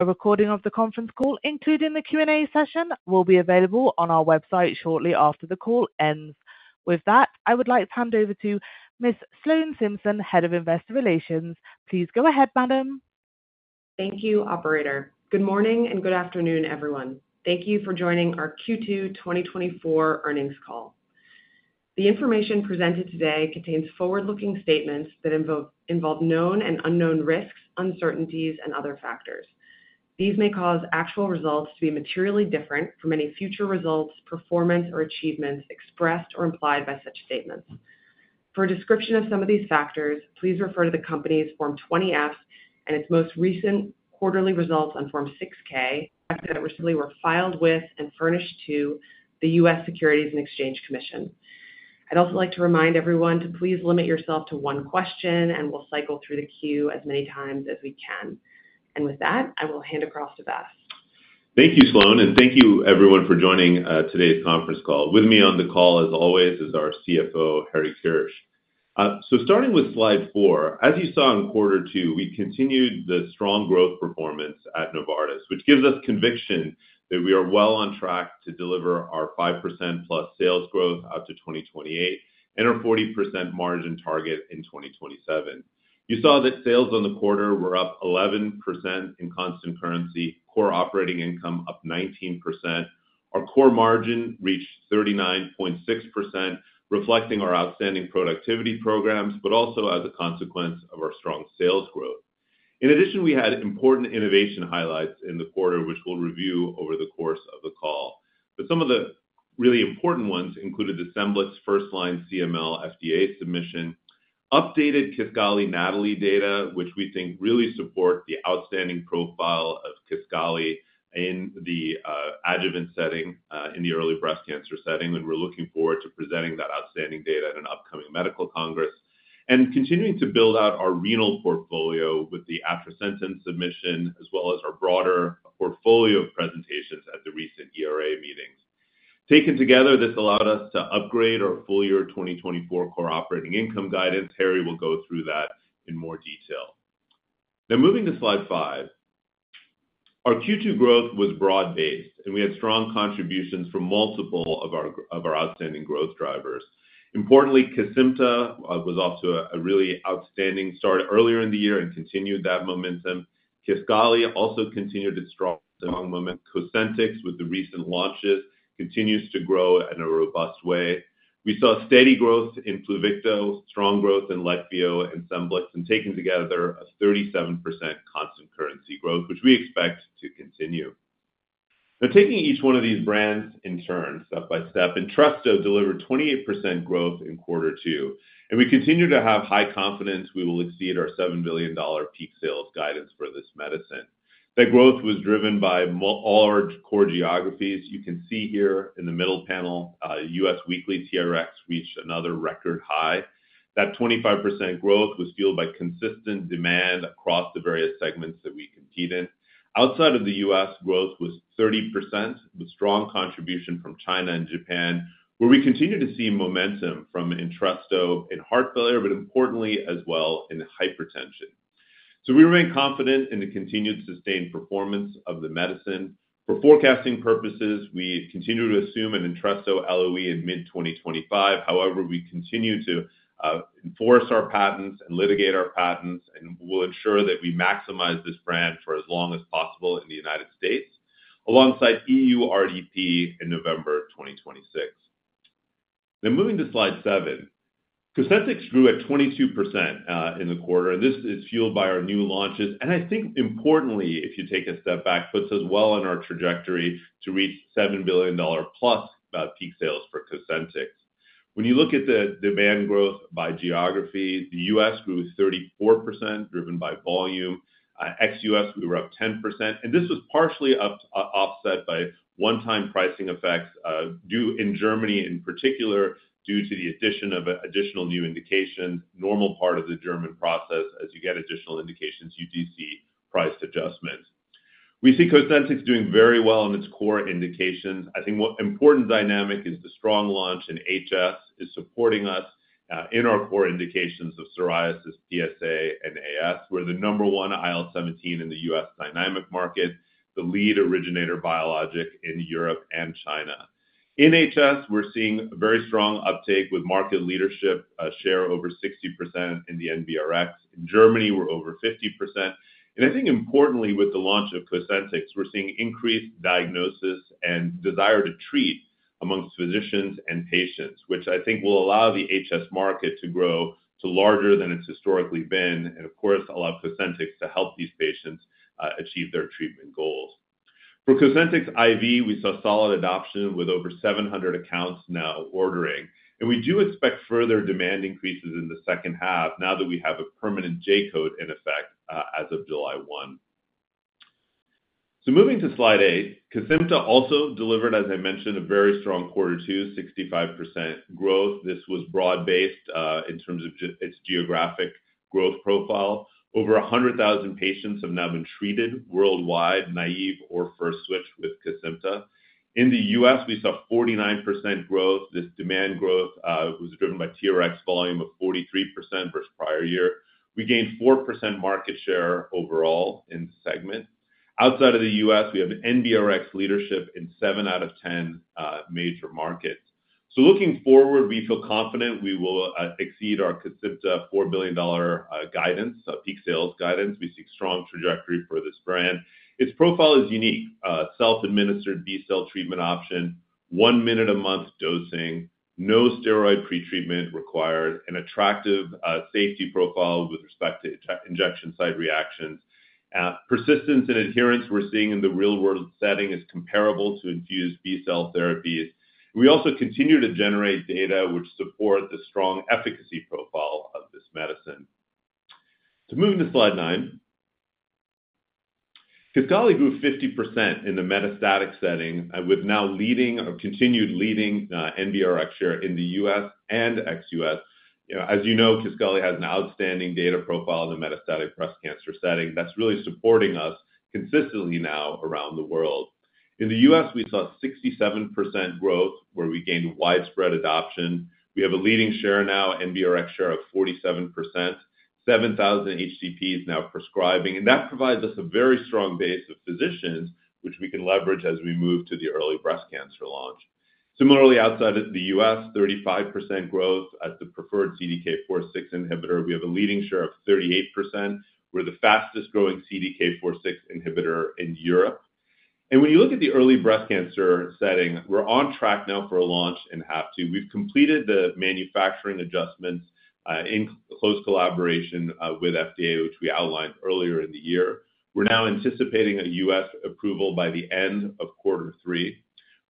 A recording of the conference call, including the Q&A session, will be available on our website shortly after the call ends. With that, I would like to hand over to Ms. Sloan Simpson, Head of Investor Relations. Please go ahead, madam. Thank you, operator. Good morning, and good afternoon, everyone. Thank you for joining our Q2 2024 earnings call. The information presented today contains forward-looking statements that involve known and unknown risks, uncertainties, and other factors. These may cause actual results to be materially different from any future results, performance, or achievements expressed or implied by such statements. For a description of some of these factors, please refer to the company's Form 20-F and its most recent quarterly results on Form 6-K that recently were filed with and furnished to the US Securities and Exchange Commission. I'd also like to remind everyone to please limit yourself to one question, and we'll cycle through the queue as many times as we can. And with that, I will hand across to Vas. Thank you, Sloan, and thank you everyone for joining today's conference call. With me on the call, as always, is our CFO, Harry Kirsch. So starting with Slide 4, as you saw in quarter two, we continued the strong growth performance at Novartis, which gives us conviction that we are well on track to deliver our 5%+ sales growth out to 2028 and our 40% margin target in 2027. You saw that sales on the quarter were up 11% in constant currency, core operating income up 19%. Our core margin reached 39.6%, reflecting our outstanding productivity programs, but also as a consequence of our strong sales growth. In addition, we had important innovation highlights in the quarter, which we'll review over the course of the call. Some of the really important ones included the Scemblix first-line CML FDA submission, updated Kisqali NATALEE data, which we think really support the outstanding profile of Kisqali in the adjuvant setting in the early breast cancer setting. And we're looking forward to presenting that outstanding data at an upcoming medical congress. And continuing to build out our renal portfolio with the atrasentan submission, as well as our broader portfolio of presentations at the recent ERA meetings. Taken together, this allowed us to upgrade our full year 2024 core operating income guidance. Harry will go through that in more detail. Now, moving to Slide 5. Our Q2 growth was broad-based, and we had strong contributions from multiple of our outstanding growth drivers. Importantly, Kesimpta was also a really outstanding start earlier in the year and continued that momentum. Kisqali also continued its strong, strong moment. Cosentyx, with the recent launches, continues to grow in a robust way. We saw steady growth in Pluvicto, strong growth in Leqvio and Scemblix, and taken together, a 37% constant currency growth, which we expect to continue. Now, taking each one of these brands in turn, step by step, Entresto delivered 28% growth in quarter two, and we continue to have high confidence we will exceed our $7 billion peak sales guidance for this medicine. That growth was driven by all large core geographies. You can see here in the middle panel, U.S. weekly TRX reached another record high. That 25% growth was fueled by consistent demand across the various segments that we compete in. Outside of the U.S., growth was 30%, with strong contribution from China and Japan, where we continue to see momentum from Entresto in heart failure, but importantly as well in hypertension. So we remain confident in the continued sustained performance of the medicine. For forecasting purposes, we continue to assume an Entresto LOE in mid-2025. However, we continue to enforce our patents and litigate our patents, and we'll ensure that we maximize this brand for as long as possible in the United States, alongside EU RDP in November 2026. Then moving to Slide 7. Cosentyx grew at 22% in the quarter. This is fueled by our new launches, and I think importantly, if you take a step back, puts us well on our trajectory to reach $7+ billion peak sales for Cosentyx. When you look at the demand growth by geography, the U.S. grew 34%, driven by volume. Ex-U.S., we were up 10%, and this was partially offset by one-time pricing effects, due in Germany in particular, due to the addition of an additional new indication, normal part of the German process. As you get additional indications, you do see price adjustments. We see Cosentyx doing very well on its core indications. I think one important dynamic is the strong launch in HS is supporting us in our core indications of psoriasis, PSA, and AS. We're the number one IL-17 in the U.S. dynamic market, the lead originator biologic in Europe and China. In HS, we're seeing very strong uptake with market leadership, share over 60% in the NBRX. In Germany, we're over 50%, and I think importantly, with the launch of Cosentyx, we're seeing increased diagnosis and desire to treat amongst physicians and patients, which I think will allow the HS market to grow to larger than it's historically been, and of course, allow Cosentyx to help these patients achieve their treatment goals. For Cosentyx IV, we saw solid adoption with over 700 accounts now ordering, and we do expect further demand increases in the second half now that we have a permanent J code in effect as of July 1. So moving to Slide 8, Kisqali also delivered, as I mentioned, a very strong quarter to 65% growth. This was broad-based in terms of just its geographic growth profile. Over 100,000 patients have now been treated worldwide, naive or first switch with Kisqali. In the US, we saw 49% growth. This demand growth was driven by TRX volume of 43% versus prior year. We gained 4% market share overall in segment. Outside of the U.S., we have NBRX leadership in seven out of 10 major markets. So looking forward, we feel confident we will exceed our Kisqali $4 billion peak sales guidance. We see strong trajectory for this brand. Its profile is unique, self-administered B-cell treatment option, one minute a month dosing, no steroid pretreatment required, an attractive safety profile with respect to injection site reactions. Persistence and adherence we're seeing in the real world setting is comparable to infused B-cell therapies. We also continue to generate data which support the strong efficacy profile of this medicine. To move to Slide 9. Kisqali grew 50% in the metastatic setting, with now leading or continued leading, NBRX share in the US and ex-U.S.. You know, as you know, Kisqali has an outstanding data profile in the metastatic breast cancer setting that's really supporting us consistently now around the world. In the U.S., we saw 67% growth, where we gained widespread adoption. We have a leading share now, NBRX share, of 47%, 7,000 HCPs now prescribing, and that provides us a very strong base of physicians, which we can leverage as we move to the early breast cancer launch. Similarly, outside of the U.S., 35% growth at the preferred CDK4/6 inhibitor. We have a leading share of 38%. We're the fastest-growing CDK4/6 inhibitor in Europe. And when you look at the early breast cancer setting, we're on track now for a launch in H2. We've completed the manufacturing adjustments, in close collaboration, with FDA, which we outlined earlier in the year. We're now anticipating a U.S. approval by the end of quarter three.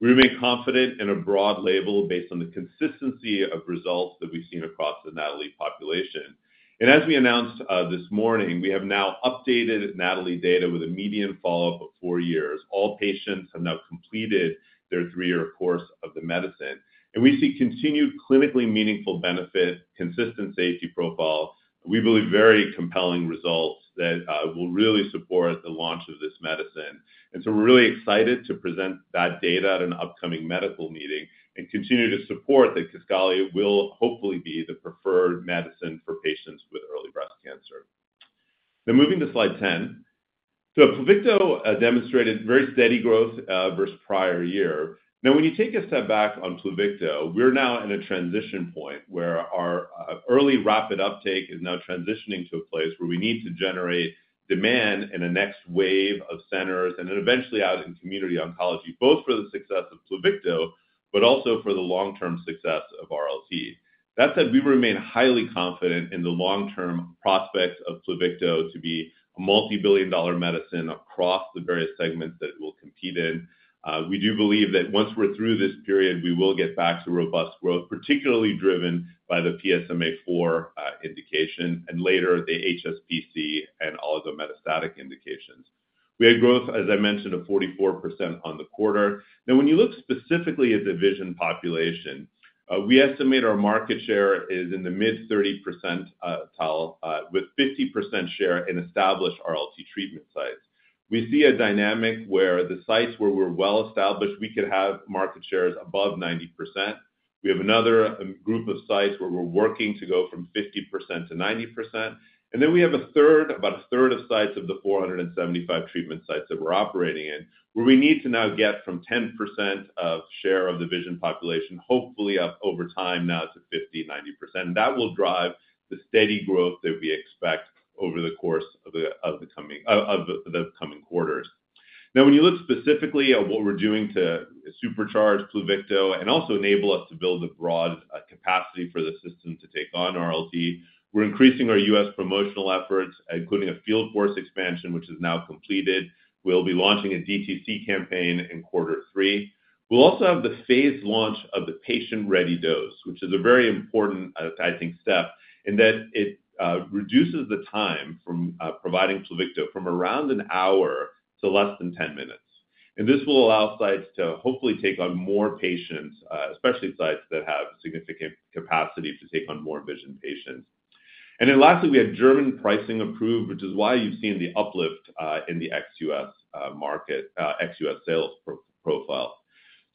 We remain confident in a broad label based on the consistency of results that we've seen across the NATALEE population. And as we announced, this morning, we have now updated NATALEE data with a median follow-up of four years. All patients have now completed their three-year course of the medicine, and we see continued clinically meaningful benefit, consistent safety profile. We believe very compelling results that, will really support the launch of this medicine. And so we're really excited to present that data at an upcoming medical meeting and continue to support that Kisqali will hopefully be the preferred medicine for patients with early breast cancer. Now, moving to Slide 10. Pluvicto demonstrated very steady growth versus prior year. Now, when you take a step back on Pluvicto, we're now in a transition point where our early rapid uptake is now transitioning to a place where we need to generate demand in the next wave of centers and then eventually out in community oncology, both for the success of Pluvicto, but also for the long-term success of RLT. That said, we remain highly confident in the long-term prospects of Pluvicto to be a multibillion-dollar medicine across the various segments that it will compete in. We do believe that once we're through this period, we will get back to robust growth, particularly driven by the PSMAfore indication and later the PSMAddition and all the metastatic indications. We had growth, as I mentioned, of 44% on the quarter. Now, when you look specifically at the VISION population, we estimate our market share is in the mid-30 percentile, with 50% share in established RLT treatment sites. We see a dynamic where the sites where we're well established, we could have market shares above 90%. We have another group of sites where we're working to go from 50% to 90%, and then we have a third, about a third of sites of the 475 treatment sites that we're operating in, where we need to now get from 10% of share of the VISION population, hopefully up over time, now to 50%-90%. That will drive the steady growth that we expect over the course of the coming quarters. Now, when you look specifically at what we're doing to supercharge Pluvicto and also enable us to build a broad capacity for the system to take on RLT, we're increasing our U.S. promotional efforts, including a field force expansion, which is now completed. We'll be launching a DTC campaign in quarter three. We'll also have the phase launch of the patient-ready dose, which is a very important, I think, step, in that it reduces the time from providing Pluvicto from around an hour to less than 10 minutes. This will allow sites to hopefully take on more patients, especially sites that have significant capacity to take on more Vision patients. Then lastly, we have German pricing approved, which is why you've seen the uplift in the ex-U.S. market, ex-U.S. sales profile.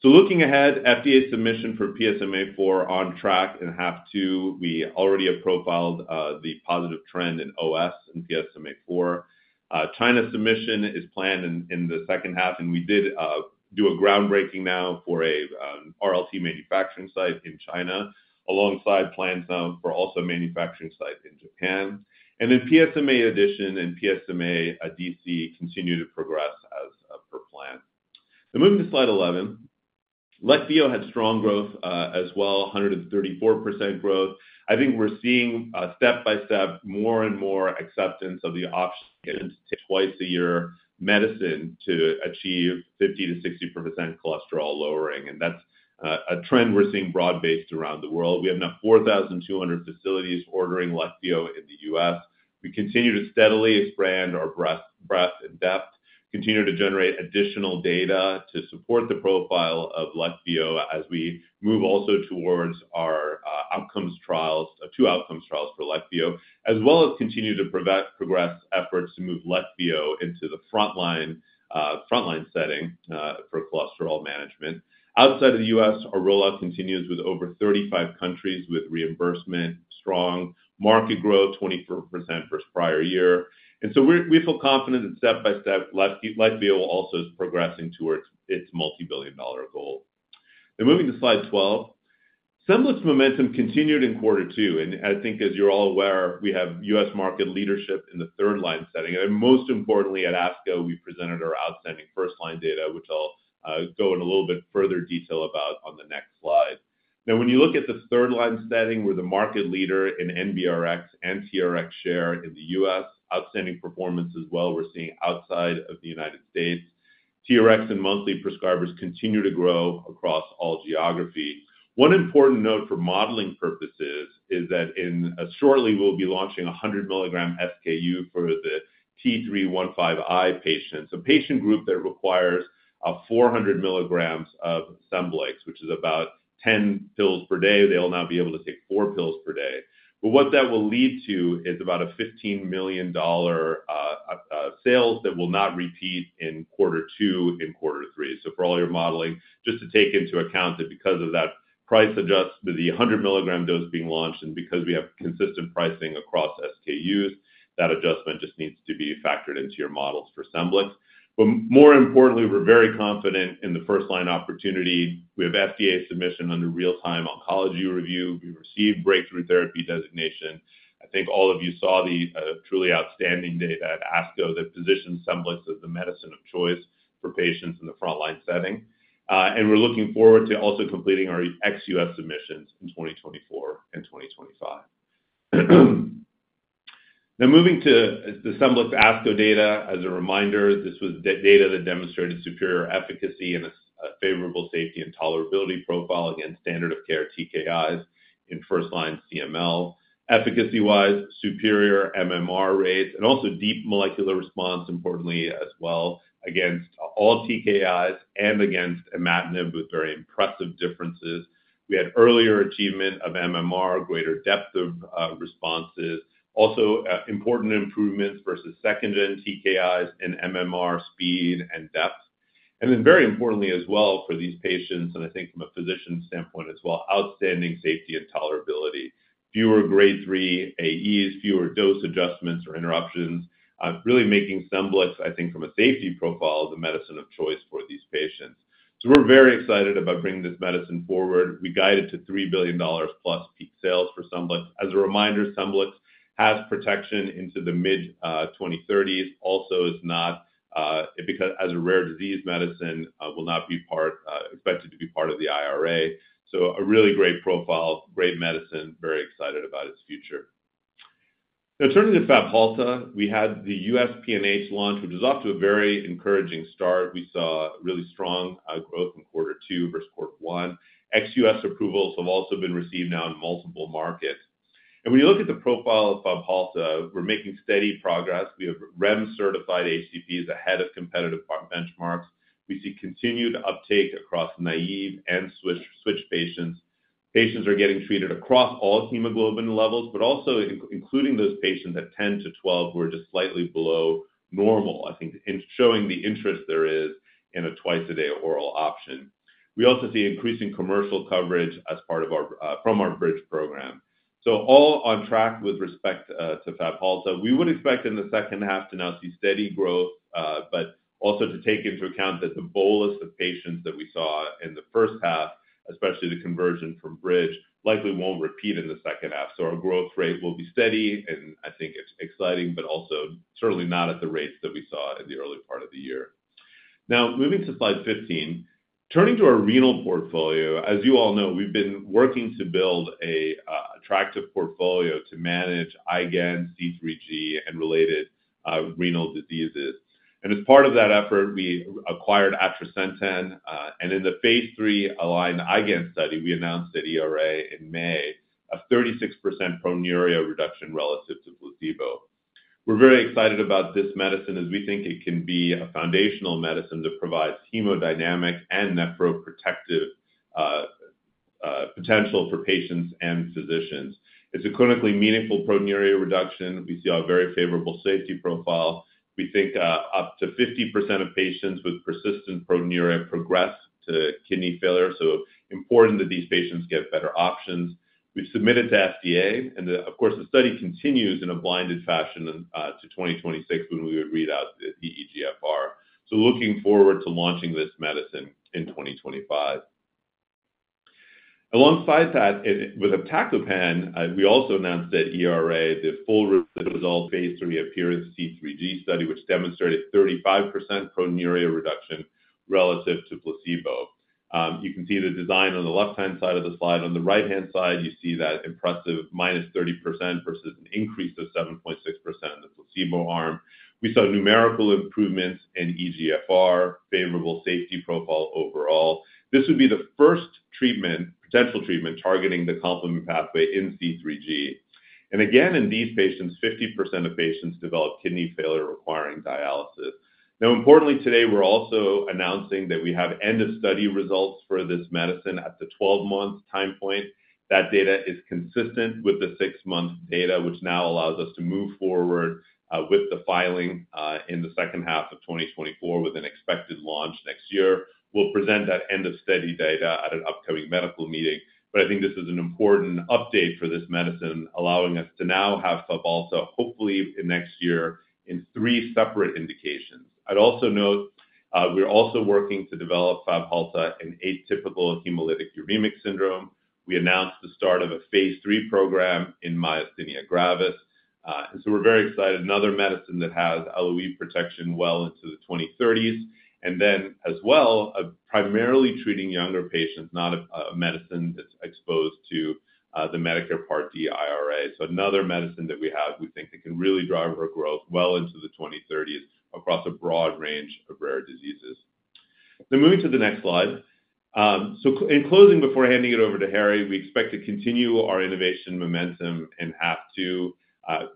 So looking ahead, FDA submission for PSMAfore on track in H2. We already have profiled the positive trend in OS and PSMAfore. China submission is planned in the second half, and we did do a groundbreaking now for a RLT manufacturing site in China, alongside plans for also a manufacturing site in Japan. And then PSMAddition and PSMA-DC continue to progress as per plan. So moving to Slide 11. Leqvio had strong growth as well, 134% growth. I think we're seeing step by step, more and more acceptance of the option to take twice a year medicine to achieve 50%-60% cholesterol lowering, and that's a trend we're seeing broad-based around the world. We have now 4,200 facilities ordering Leqvio in the U.S. We continue to steadily expand our breadth, breadth and depth, continue to generate additional data to support the profile of Leqvio as we move also towards our, outcomes trials, two outcomes trials for Leqvio, as well as continue to progress efforts to move Leqvio into the frontline, frontline setting, for cholesterol management. Outside of the U.S., our rollout continues with over 35 countries with reimbursement, strong market growth, 24% versus prior year. And so we feel confident that step by step, Leqvio, Leqvio also is progressing towards its multibillion-dollar goal. And moving to Slide 12. Scemblix's momentum continued in quarter two, and I think as you're all aware, we have U.S. market leadership in the third line setting. And most importantly, at ASCO, we presented our outstanding first line data, which I'll go in a little bit further detail about on the next slide. Now, when you look at the third line setting, we're the market leader in NBRX and TRX share in the U.S. Outstanding performance as well we're seeing outside of the United States. TRX and monthly prescribers continue to grow across all geographies. One important note for modeling purposes is that shortly, we'll be launching a 100 mg SKU for the T315I patients, a patient group that requires 400 mg of Scemblix, which is about 10 pills per day. They will now be able to take 4 pills per day. But what that will lead to is about a $15 million sales that will not repeat in quarter two and quarter three. So for all your modeling, just to take into account that because of that price adjustment, the 100 mg dose being launched and because we have consistent pricing across SKUs, that adjustment just needs to be factored into your models for Scemblix. But more importantly, we're very confident in the first-line opportunity. We have FDA submission under real-time oncology review. We received breakthrough therapy designation. I think all of you saw the truly outstanding data at ASCO that positions Scemblix as the medicine of choice for patients in the frontline setting. And we're looking forward to also completing our ex-US submissions in 2024 and 2025. Now, moving to the Scemblix ASCO data. As a reminder, this was data that demonstrated superior efficacy and a favorable safety and tolerability profile against standard of care TKIs in first-line CML. Efficacy-wise, superior MMR rates and also deep molecular response, importantly as well, against all TKIs and against imatinib, with very impressive differences. We had earlier achievement of MMR, greater depth of responses, also, important improvements versus second-gen TKIs and MMR speed and depth. And then very importantly as well for these patients, and I think from a physician standpoint as well, outstanding safety and tolerability. Fewer Grade 3 AEs, fewer dose adjustments or interruptions, really making Scemblix, I think from a safety profile, the medicine of choice for these patients. So we're very excited about bringing this medicine forward. We guided to $3 billion+ peak sales for Scemblix. As a reminder, Scemblix has protection into the mid-2030s. Also, it is not, because as a rare disease medicine, will not be part—expected to be part of the IRA. So a really great profile, great medicine, very excited about its future. Now, turning to Fabhalta, we had the US PNH launch, which is off to a very encouraging start. We saw really strong growth in quarter two versus quarter one. Ex-U.S. approvals have also been received now in multiple markets. And when you look at the profile of Fabhalta, we're making steady progress. We have REMS-certified HCPs ahead of competitive parity benchmarks. We see continued uptake across naive and switch patients. Patients are getting treated across all hemoglobin levels, but also including those patients at 10 to 12, who are just slightly below normal, I think, in showing the interest there is in a twice-a-day oral option. We also see increasing commercial coverage as part of our Bridge program. So all on track with respect to Fabhalta. We would expect in the second half to now see steady growth, but also to take into account that the bolus of patients that we saw in the first half, especially the conversion from Bridge, likely won't repeat in the second half. So our growth rate will be steady, and I think it's exciting, but also certainly not at the rates that we saw in the early part of the year. Now, moving to Slide 15. Turning to our renal portfolio, as you all know, we've been working to build a, attractive portfolio to manage IgAN, C3G, and related, renal diseases. And as part of that effort, we acquired atrasentan, and in the Phase III ALIGN-IgAN study, we announced at ERA in May, a 36% proteinuria reduction relative to placebo. We're very excited about this medicine, as we think it can be a foundational medicine that provides hemodynamic and nephroprotective potential for patients and physicians. It's a clinically meaningful proteinuria reduction. We see a very favorable safety profile. We think up to 50% of patients with persistent proteinuria progress to kidney failure, so important that these patients get better options. We've submitted to FDA, and, of course, the study continues in a blinded fashion to 2026, when we would read out the eGFR. So looking forward to launching this medicine in 2025. Alongside that, with iptacopan, we also announced at ERA the full read results phase 3 APPEAR-C3G study, which demonstrated 35% proteinuria reduction relative to placebo. You can see the design on the left-hand side of the slide. On the right-hand side, you see that impressive -30% versus an increase of 7.6% in the placebo arm. We saw numerical improvements in eGFR, favorable safety profile overall. This would be the first treatment- potential treatment targeting the complement pathway in C3G. And again, in these patients, 50% of patients develop kidney failure requiring dialysis. Now, importantly, today, we're also announcing that we have end-of-study results for this medicine at the 12-month time point. That data is consistent with the 6-month data, which now allows us to move forward with the filing in the second half of 2024, with an expected launch next year. We'll present that end-of-study data at an upcoming medical meeting, but I think this is an important update for this medicine, allowing us to now have Fabhalta, hopefully next year, in three separate indications. I'd also note-... We're also working to develop Fabhalta in atypical hemolytic uremic syndrome. We announced the start of a Phase III program in myasthenia gravis. And so we're very excited. Another medicine that has LOE protection well into the 2030s, and then as well, primarily treating younger patients, not a, a medicine that's exposed to the Medicare Part D IRA. So another medicine that we have, we think, that can really drive our growth well into the 2030s across a broad range of rare diseases. Then moving to the next slide. So in closing, before handing it over to Harry, we expect to continue our innovation momentum in half two.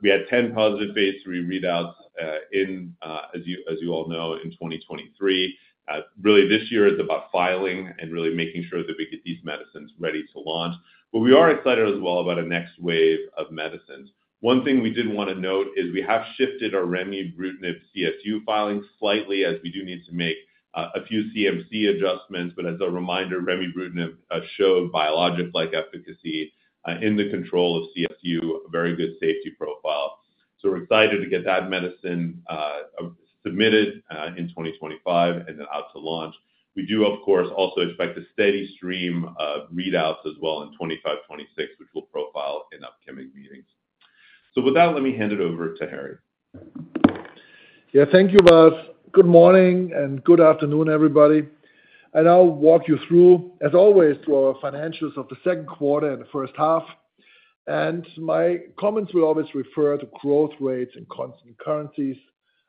We had 10 positive Phase III readouts, as you, as you all know, in 2023. Really, this year is about filing and really making sure that we get these medicines ready to launch. But we are excited as well about a next wave of medicines. One thing we did wanna note is we have shifted our remibrutinib CSU filing slightly, as we do need to make a few CMC adjustments. But as a reminder, remibrutinib showed biologic-like efficacy in the control of CSU, a very good safety profile. So we're excited to get that medicine submitted in 2025 and then out to launch. We do, of course, also expect a steady stream of readouts as well in 2025, 2026, which we'll profile in upcoming meetings. So with that, let me hand it over to Harry. Yeah, thank you, Vas. Good morning and good afternoon, everybody, and I'll walk you through, as always, through our financials of the second quarter and the first half. My comments will always refer to growth rates and constant currencies,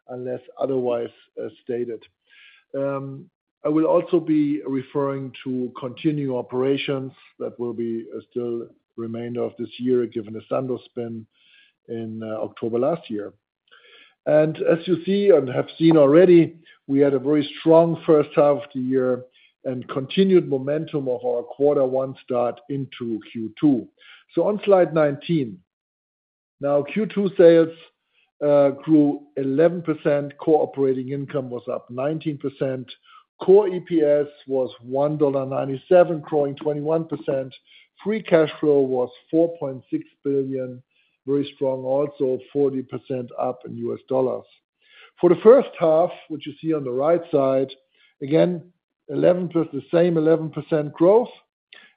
unless otherwise stated. I will also be referring to continued operations that will be still remainder of this year, given the Sandoz spin in October last year. As you see and have seen already, we had a very strong first half of the year and continued momentum of our quarter one start into Q2. So on Slide 19 now, Q2 sales grew 11%, core operating income was up 19%, core EPS was $1.97, growing 21%. Free cash flow was $4.6 billion, very strong, also 40% up in US dollars. For the first half, which you see on the right side, again, 11%. The same 11% growth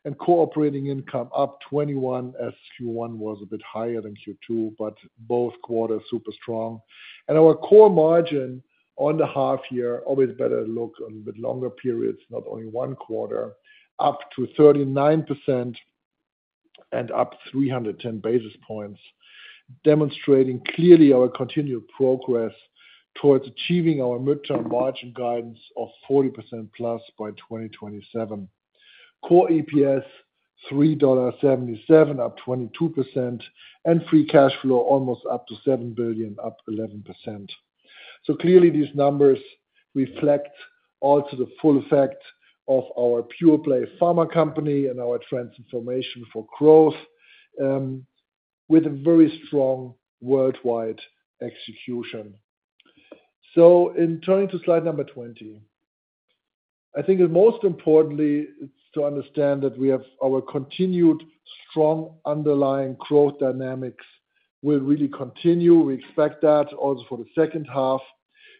and core operating income up 21, as Q1 was a bit higher than Q2, but both quarters super strong. And our core margin on the half year, always better look on a bit longer periods, not only one quarter, up to 39% and up 310 basis points, demonstrating clearly our continued progress towards achieving our midterm margin guidance of 40%+ by 2027. Core EPS, $3.77, up 22%, and free cash flow almost up to $7 billion, up 11%. So clearly, these numbers reflect also the full effect of our pure play pharma company and our transformation for growth, with a very strong worldwide execution. So in turning to Slide number 20, I think it most importantly is to understand that we have our continued strong underlying growth dynamics will really continue. We expect that also for the second half.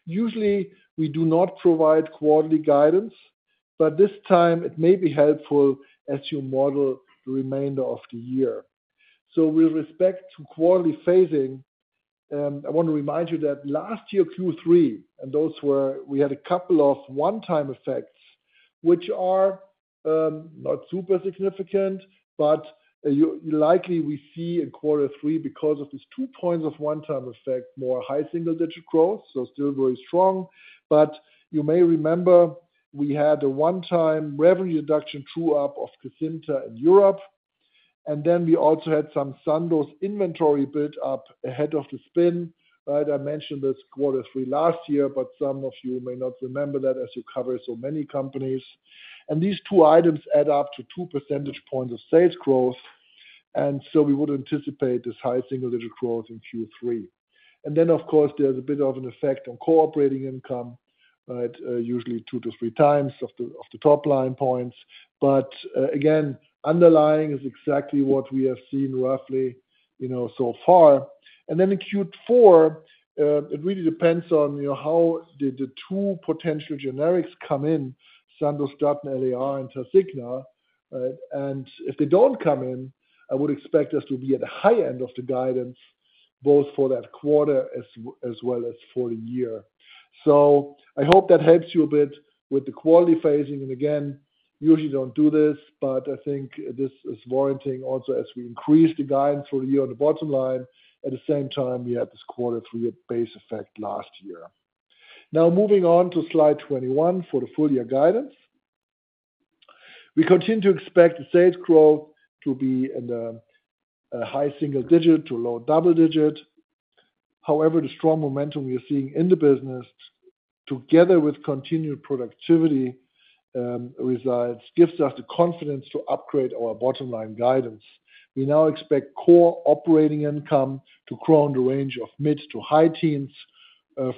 Usually, we do not provide quarterly guidance, but this time it may be helpful as you model the remainder of the year. So with respect to quarterly phasing, I want to remind you that last year Q3 and those were we had a couple of one-time effects, which are not super significant, but you'll likely see in quarter three, because of these two points of one-time effect, more high single-digit growth, so still very strong. But you may remember we had a one-time revenue deduction true up of Kesimpta in Europe, and then we also had some Sandoz inventory built up ahead of the spin. Right, I mentioned this quarter three last year, but some of you may not remember that as you cover so many companies. These two items add up to two percentage points of sales growth, and so we would anticipate this high single-digit growth in Q3. Then, of course, there's a bit of an effect on operating income, right? Usually two to three times of the, of the top line points. But, again, underlying is exactly what we have seen roughly, you know, so far. Then in Q4, it really depends on, you know, how did the two potential generics come in, Sandostatin LAR and Tasigna, right? If they don't come in, I would expect us to be at the high end of the guidance, both for that quarter as well as for the year. So I hope that helps you a bit with the quality phasing. And again, usually don't do this, but I think this is warranting also as we increase the guidance for the year on the bottom line, at the same time, we had this Q3 base effect last year. Now, moving on to Slide 21 for the full year guidance. We continue to expect the sales growth to be in the high single-digit to low double-digit. However, the strong momentum we are seeing in the business, together with continued productivity results, gives us the confidence to upgrade our bottom line guidance. We now expect core operating income to grow in the range of mid- to high-teens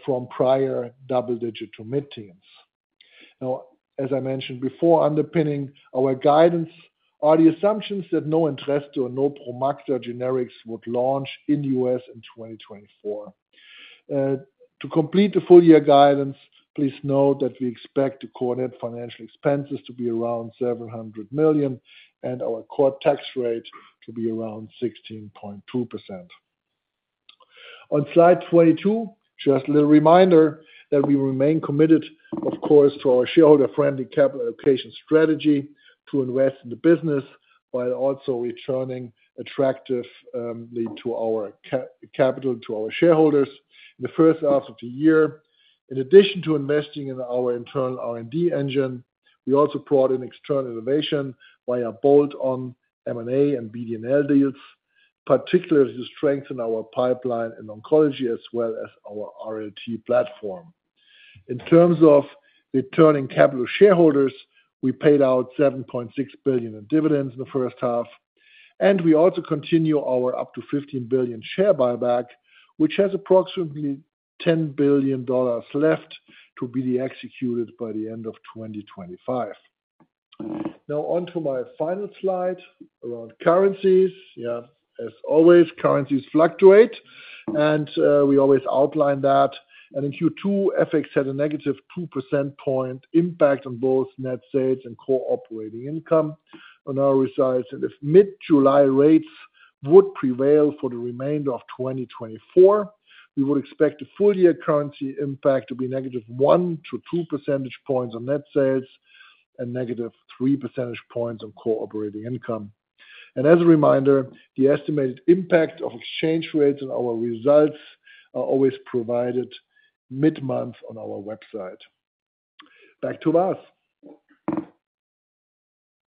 from prior double-digit to mid-teens.... Now, as I mentioned before, underpinning our guidance are the assumptions that no Entresto or no Promacta generics would launch in the U.S. in 2024. To complete the full year guidance, please note that we expect the core net financial expenses to be around $700 million, and our core tax rate to be around 16.2%. On Slide 22, just a little reminder that we remain committed, of course, to our shareholder-friendly capital allocation strategy to invest in the business, while also returning attractive capital to our shareholders in the first half of the year. In addition to investing in our internal R&D engine, we also brought in external innovation by a bolt-on M&A and BD&L deals, particularly to strengthen our pipeline in oncology as well as our RLT platform. In terms of returning capital to shareholders, we paid out $7.6 billion in dividends in the first half, and we also continue our up to $15 billion share buyback, which has approximately $10 billion left to be executed by the end of 2025. Now on to my final slide around currencies. Yeah, as always, currencies fluctuate, and we always outline that. In Q2, FX had a -2 percentage points impact on both net sales and core operating income on our results. If mid-July rates would prevail for the remainder of 2024, we would expect the full year currency impact to be negative 1-2 percentage points on net sales and -3 percentage points on core operating income. As a reminder, the estimated impact of exchange rates on our results are always provided mid-month on our website. Back to Vas.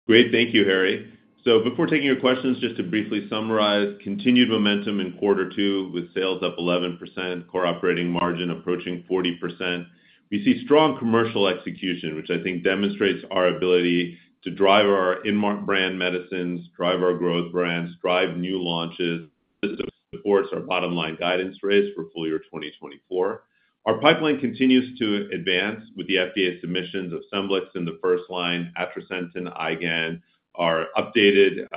Great. Thank you, Harry. So before taking your questions, just to briefly summarize, continued momentum in quarter two with sales up 11%, core operating margin approaching 40%. We see strong commercial execution, which I think demonstrates our ability to drive our in-market brand medicines, drive our growth brands, drive new launches. This supports our bottom line guidance rates for full year 2024. Our pipeline continues to advance with the FDA submissions of Scemblix in the first line, atrasentan, IgAN, our updated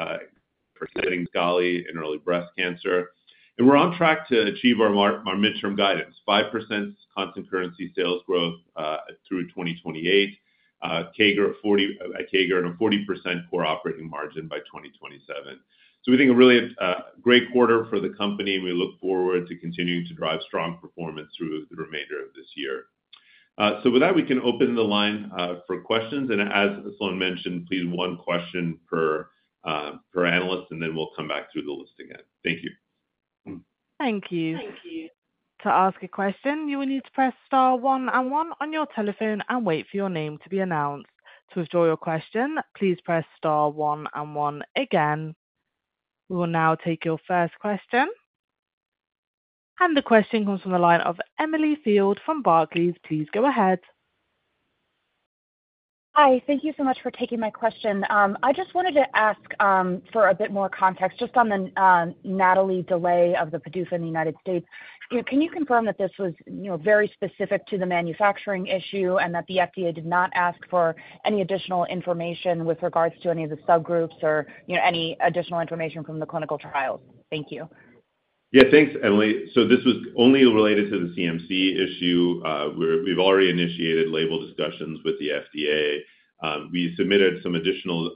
for Kisqali in early breast cancer. And we're on track to achieve our midterm guidance, 5% constant currency sales growth through 2028, CAGR at 40, a CAGR and a 40% core operating margin by 2027. So we think a really great quarter for the company, and we look forward to continuing to drive strong performance through the remainder of this year. So with that, we can open the line for questions. And as Sloan mentioned, please one question per analyst, and then we'll come back through the list again. Thank you. Thank you. To ask a question, you will need to press star one and one on your telephone and wait for your name to be announced. To withdraw your question, please press star one and one again. We will now take your first question. The question comes from the line of Emily Field from Barclays. Please go ahead. Hi, thank you so much for taking my question. I just wanted to ask, for a bit more context, just on the, NATALEE delay of the PDUFA in the United States. Can you confirm that this was, you know, very specific to the manufacturing issue, and that the FDA did not ask for any additional information with regards to any of the subgroups or, you know, any additional information from the clinical trials? Thank you. Yeah, thanks, Emily. So this was only related to the CMC issue. We've already initiated label discussions with the FDA. We submitted some additional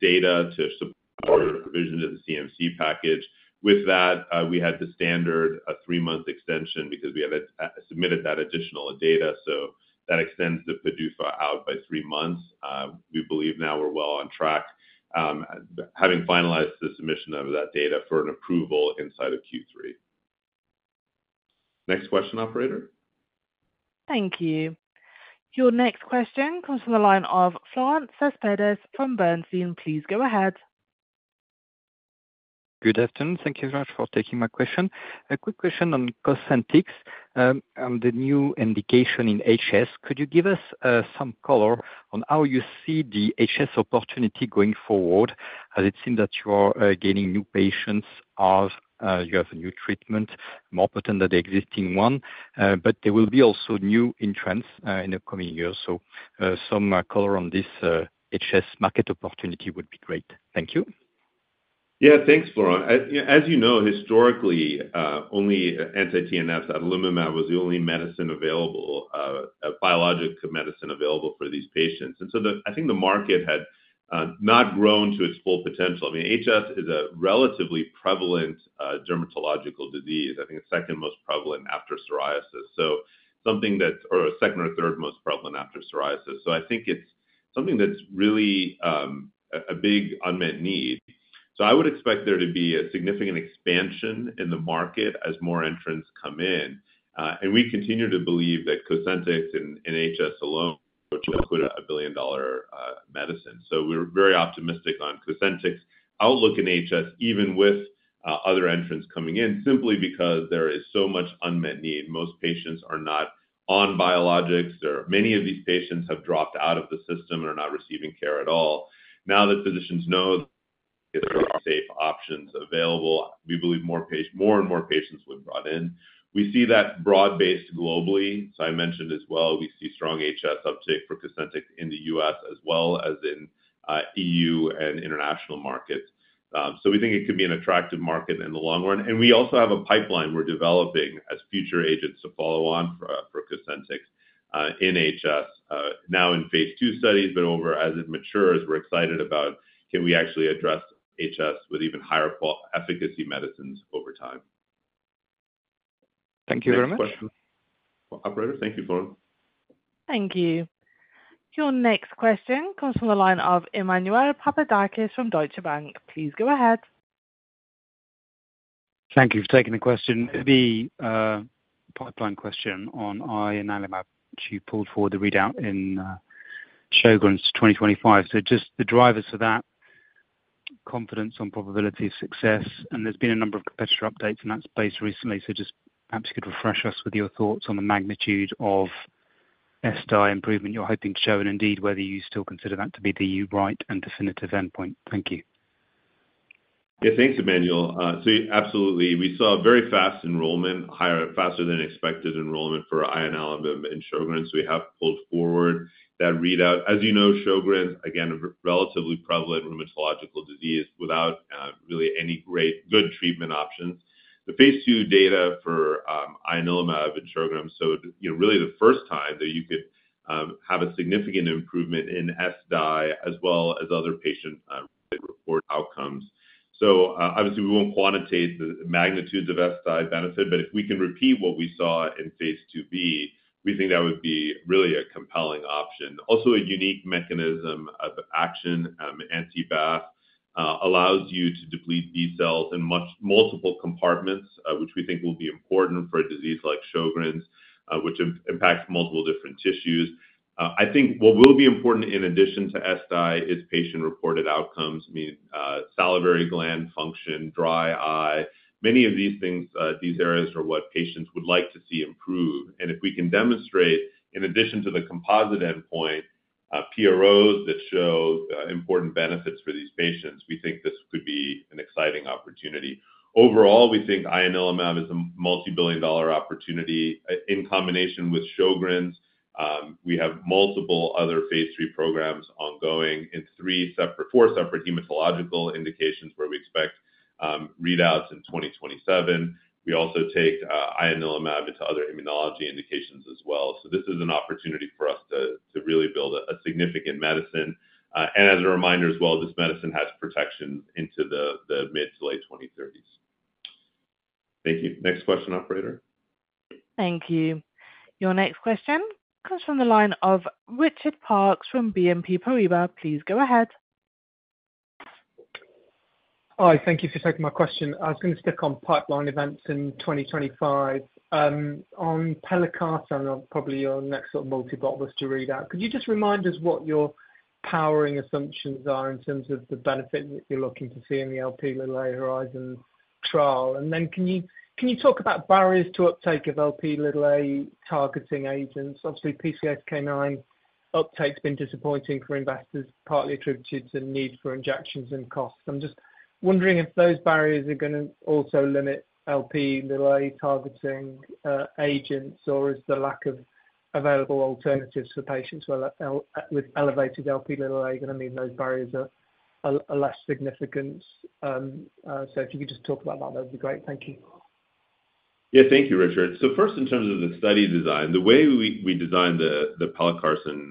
data to support our revision to the CMC package. With that, we had the standard, a three-month extension because we have submitted that additional data, so that extends the PDUFA out by three months. We believe now we're well on track, having finalized the submission of that data for an approval inside of Q3. Next question, operator. Thank you. Your next question comes from the line of Florent Cespedes from Bernstein. Please go ahead. Good afternoon. Thank you very much for taking my question. A quick question on Cosentyx and the new indication in HS. Could you give us some color on how you see the HS opportunity going forward, as it seems that you are gaining new patients as you have a new treatment, more potent than the existing one, but there will be also new entrants in the coming years? So, some color on this HS market opportunity would be great. Thank you. Yeah, thanks, Florent. As you know, historically, only anti-TNFs adalimumab was the only medicine available, a biologic medicine available for these patients. And so the... I think the market had not grown to its full potential. I mean, HS is a relatively prevalent dermatological disease. I think it's second most prevalent after psoriasis. So something that's- or second or third most prevalent after psoriasis. So I think it's something that's really a big unmet need. So I would expect there to be a significant expansion in the market as more entrants come in. And we continue to believe that Cosentyx in HS alone will include a billion-dollar medicine. So we're very optimistic on Cosentyx outlook in HS, even with other entrants coming in, simply because there is so much unmet need. Most patients are not on biologics, or many of these patients have dropped out of the system and are not receiving care at all. Now that physicians know if there are safe options available, we believe more and more patients would brought in. We see that broad-based globally. So I mentioned as well, we see strong HS uptake for Cosentyx in the US as well as in EU and international markets. So we think it could be an attractive market in the long run. And we also have a pipeline we're developing as future agents to follow on for for Cosentyx in HS. Now in Phase II studies, but as it matures, we're excited about can we actually address HS with even higher efficacy medicines over time. Thank you very much. Next question. Operator? Thank you, Florent. Thank you. Your next question comes from the line of Emmanuel Papadakis from Deutsche Bank. Please go ahead. Thank you for taking the question. The pipeline question on ianalimab, you pulled forward the readout in Sjogren's 2025. So just the drivers for that confidence on probability of success, and there's been a number of competitor updates in that space recently, so just perhaps you could refresh us with your thoughts on the magnitude of ESSDAI improvement you're hoping to show, and indeed, whether you still consider that to be the right and definitive endpoint. Thank you. Yeah, thanks, Emmanuel. So absolutely, we saw a very fast enrollment, faster than expected enrollment for ianalimab in Sjögren's. We have pulled forward that readout. As you know, Sjögren's, again, a relatively prevalent rheumatological disease without really any good treatment options. The Phase II data for ianalimab in Sjögren's, so, you know, really the first time that you could have a significant improvement in ESSDAI, as well as other patient-reported outcomes. So, obviously, we won't quantitate the magnitudes of ESSDAI benefit, but if we can repeat what we saw in Phase IIb, we think that would be really a compelling option. Also, a unique mechanism of action, anti-BAFF, allows you to deplete these cells in multiple compartments, which we think will be important for a disease like Sjögren's, which impacts multiple different tissues. I think what will be important in addition to ESSDAI is patient-reported outcomes, meaning salivary gland function, dry eye. Many of these things, these areas are what patients would like to see improve. If we can demonstrate, in addition to the composite endpoint, PROs that show important benefits for these patients, we think this could be an exciting opportunity. Overall, we think ianalimab is a multibillion-dollar opportunity in combination with Sjögren's. We have multiple other Phase III programs ongoing in three separate, four separate hematological indications, where we expect readouts in 2027. We also take ianalimab into other immunology indications as well. So this is an opportunity for us to really build a significant medicine. And as a reminder as well, this medicine has protection into the mid- to late 2030s. Thank you. Next question, operator. Thank you. Your next question comes from the line of Richard Parks from BNP Paribas. Please go ahead. Hi, thank you for taking my question. I was going to stick on pipeline events in 2025. On pelacarsen, probably your next sort of multibillion with to read out. Could you just remind us what your powering assumptions are in terms of the benefit that you're looking to see in the Lp(a)Horizon trial? And then can you, can you talk about barriers to uptake of Lp(a) targeting agents? Obviously, PCSK9 uptake's been disappointing for investors, partly attributed to need for injections and costs. I'm just wondering if those barriers are gonna also limit Lp(a) targeting with elevated Lp(a), gonna mean those barriers are less significant? So if you could just talk about that, that'd be great. Thank you. Yeah, thank you, Richard. So first, in terms of the study design, the way we designed the pelacarsen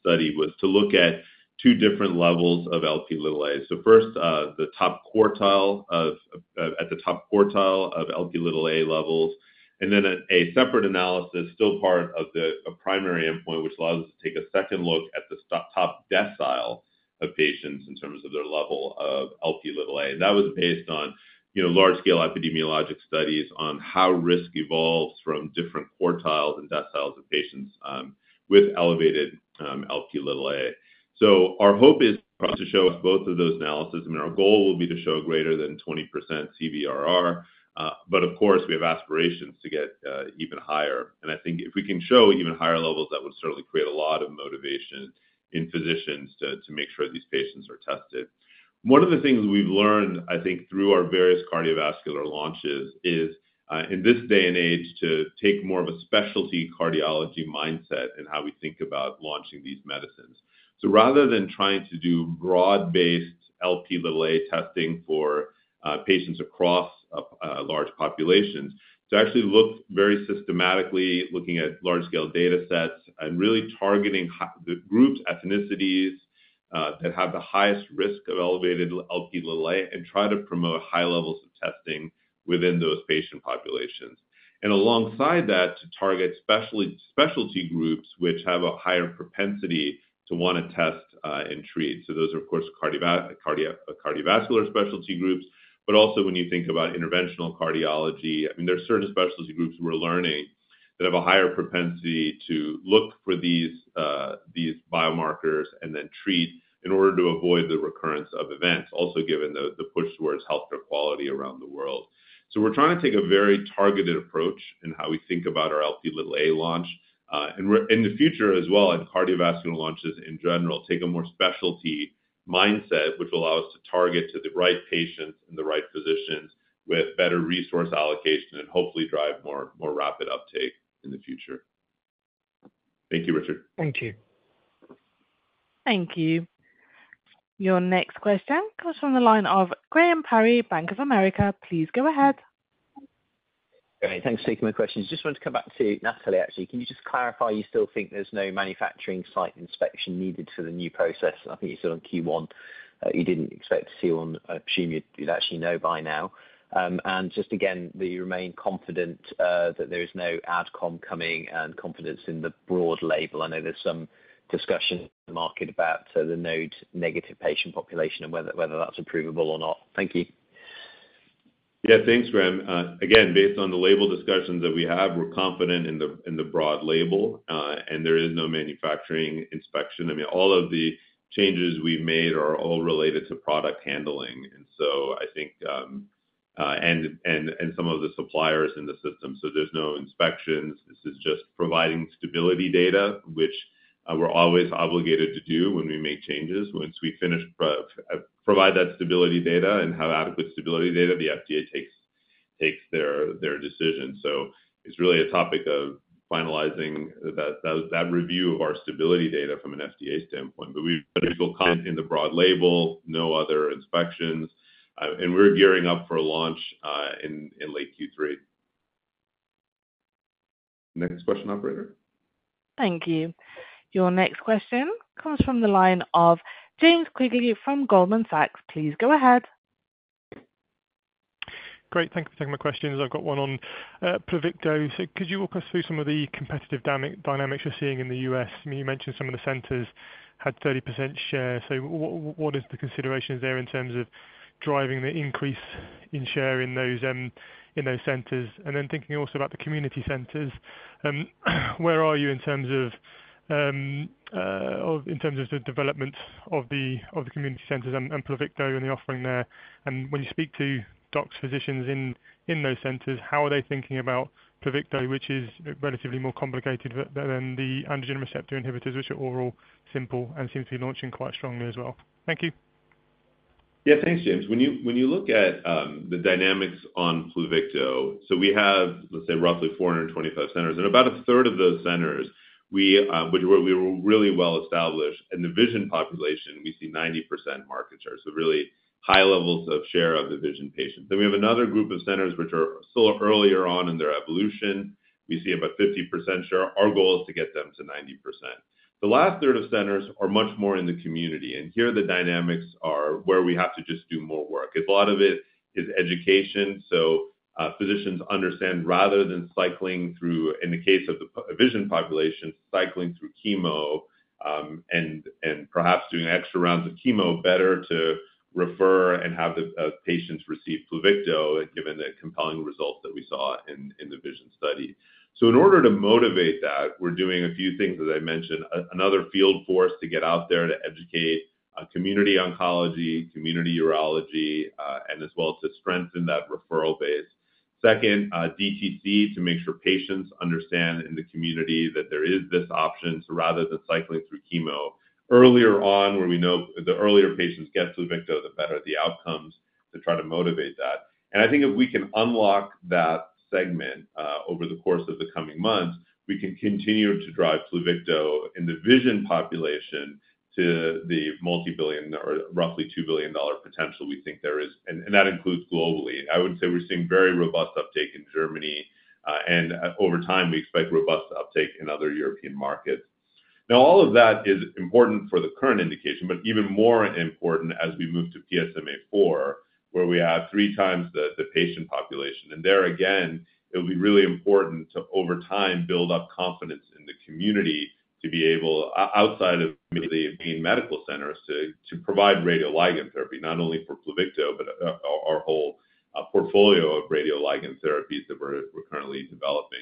study was to look at two different levels of Lp(a). So first, the top quartile of at the top quartile of Lp(a) levels, and then a separate analysis, still part of the primary endpoint, which allows us to take a second look at the top decile of patients in terms of their level of Lp(a). And that was based on, you know, large-scale epidemiologic studies on how risk evolves from different quartiles and deciles of patients with elevated Lp(a). So our hope is to show us both of those analysis. I mean, our goal will be to show greater than 20% CVRR, but of course, we have aspirations to get even higher. And I think if we can show even higher levels, that would certainly create a lot of motivation in physicians to make sure these patients are tested. One of the things we've learned, I think, through our various cardiovascular launches is, in this day and age, to take more of a specialty cardiology mindset in how we think about launching these medicines. So rather than trying to do broad-based Lp(a) testing for patients across a large population, to actually look very systematically, looking at large-scale datasets and really targeting the groups, ethnicities, that have the highest risk of elevated Lp(a), and try to promote high levels of testing within those patient populations. Alongside that, to target specialty groups which have a higher propensity to want to test and treat. So those are, of course, cardiovascular specialty groups, but also when you think about interventional cardiology, I mean, there are certain specialty groups we're learning that have a higher propensity to look for these biomarkers and then treat in order to avoid the recurrence of events, also given the push towards healthcare quality around the world. So we're trying to take a very targeted approach in how we think about our Lp(a) launch, and we're in the future as well, and cardiovascular launches in general, take a more specialty mindset, which will allow us to target the right patients and the right physicians with better resource allocation and hopefully drive more rapid uptake in the future. Thank you, Richard. Thank you. Thank you. Your next question comes from the line of Graham Parry, Bank of America. Please go ahead. Great. Thanks for taking my questions. Just wanted to come back to NATALEE, actually. Can you just clarify, you still think there's no manufacturing site inspection needed for the new process? I think you said on Q1, you didn't expect to see one. I assume you'd, you'd actually know by now. And just again, do you remain confident that there is no ad com coming and confidence in the broad label? I know there's some discussion in the market about the node-negative patient population and whether, whether that's approvable or not. Thank you. Yeah, thanks, Graham. Again, based on the label discussions that we have, we're confident in the broad label, and there is no manufacturing inspection. I mean, all of the changes we've made are all related to product handling, and so I think, and some of the suppliers in the system, so there's no inspections. This is just providing stability data, which we're always obligated to do when we make changes. Once we finish provide that stability data and have adequate stability data, the FDA takes their decision. So it's really a topic of finalizing that review of our stability data from an FDA standpoint. But we've built confidence in the broad label, no other inspections, and we're gearing up for a launch in late Q3. Next question, operator. Thank you. Your next question comes from the line of James Quigley from Goldman Sachs. Please go ahead. Great, thank you for taking my questions. I've got one on Pluvicto. So could you walk us through some of the competitive dynamics you're seeing in the U.S.? I mean, you mentioned some of the centers had 30% share. So what is the considerations there in terms of driving the increase in share in those centers? And then thinking also about the community centers, where are you in terms of the development of the community centers and Pluvicto and the offering there? And when you speak to docs, physicians in those centers, how are they thinking about Pluvicto, which is relatively more complicated than the androgen receptor inhibitors, which are overall simple and seems to be launching quite strongly as well? Thank you. Yeah, thanks, James. When you look at the dynamics on Pluvicto, so we have, let's say, roughly 425 centers, and about a third of those centers, which we were really well established. In the VISION population, we see 90% market share, so really high levels of share of the VISION patients. Then we have another group of centers which are still earlier on in their evolution. We see about 50% share. Our goal is to get them to 90%. The last third of centers are much more in the community, and here the dynamics are where we have to just do more work. A lot of it is education, so physicians understand, rather than cycling through, in the case of the VISION population, cycling through chemo, and perhaps doing extra rounds of chemo, better to refer and have the patients receive Pluvicto, given the compelling results that we saw in the VISION study. So in order to motivate that, we're doing a few things, as I mentioned, another field force to get out there to educate community oncology, community urology, and as well as to strengthen that referral base. Second, DTC, to make sure patients understand in the community that there is this option, so rather than cycling through chemo earlier on, where we know the earlier patients get Pluvicto, the better the outcomes to try to motivate that. I think if we can unlock that segment over the course of the coming months, we can continue to drive Pluvicto in the VISION population to the multi-billion or roughly $2 billion potential we think there is, and that includes globally. I would say we're seeing very robust uptake in Germany, and over time, we expect robust uptake in other European markets. Now, all of that is important for the current indication, but even more important as we move to PSMAfore, where we have three times the patient population. And there again, it'll be really important to, over time, build up confidence in the community to be able, outside of the main medical centers, to provide radioligand therapy, not only for Pluvicto, but our whole portfolio of radioligand therapies that we're currently developing.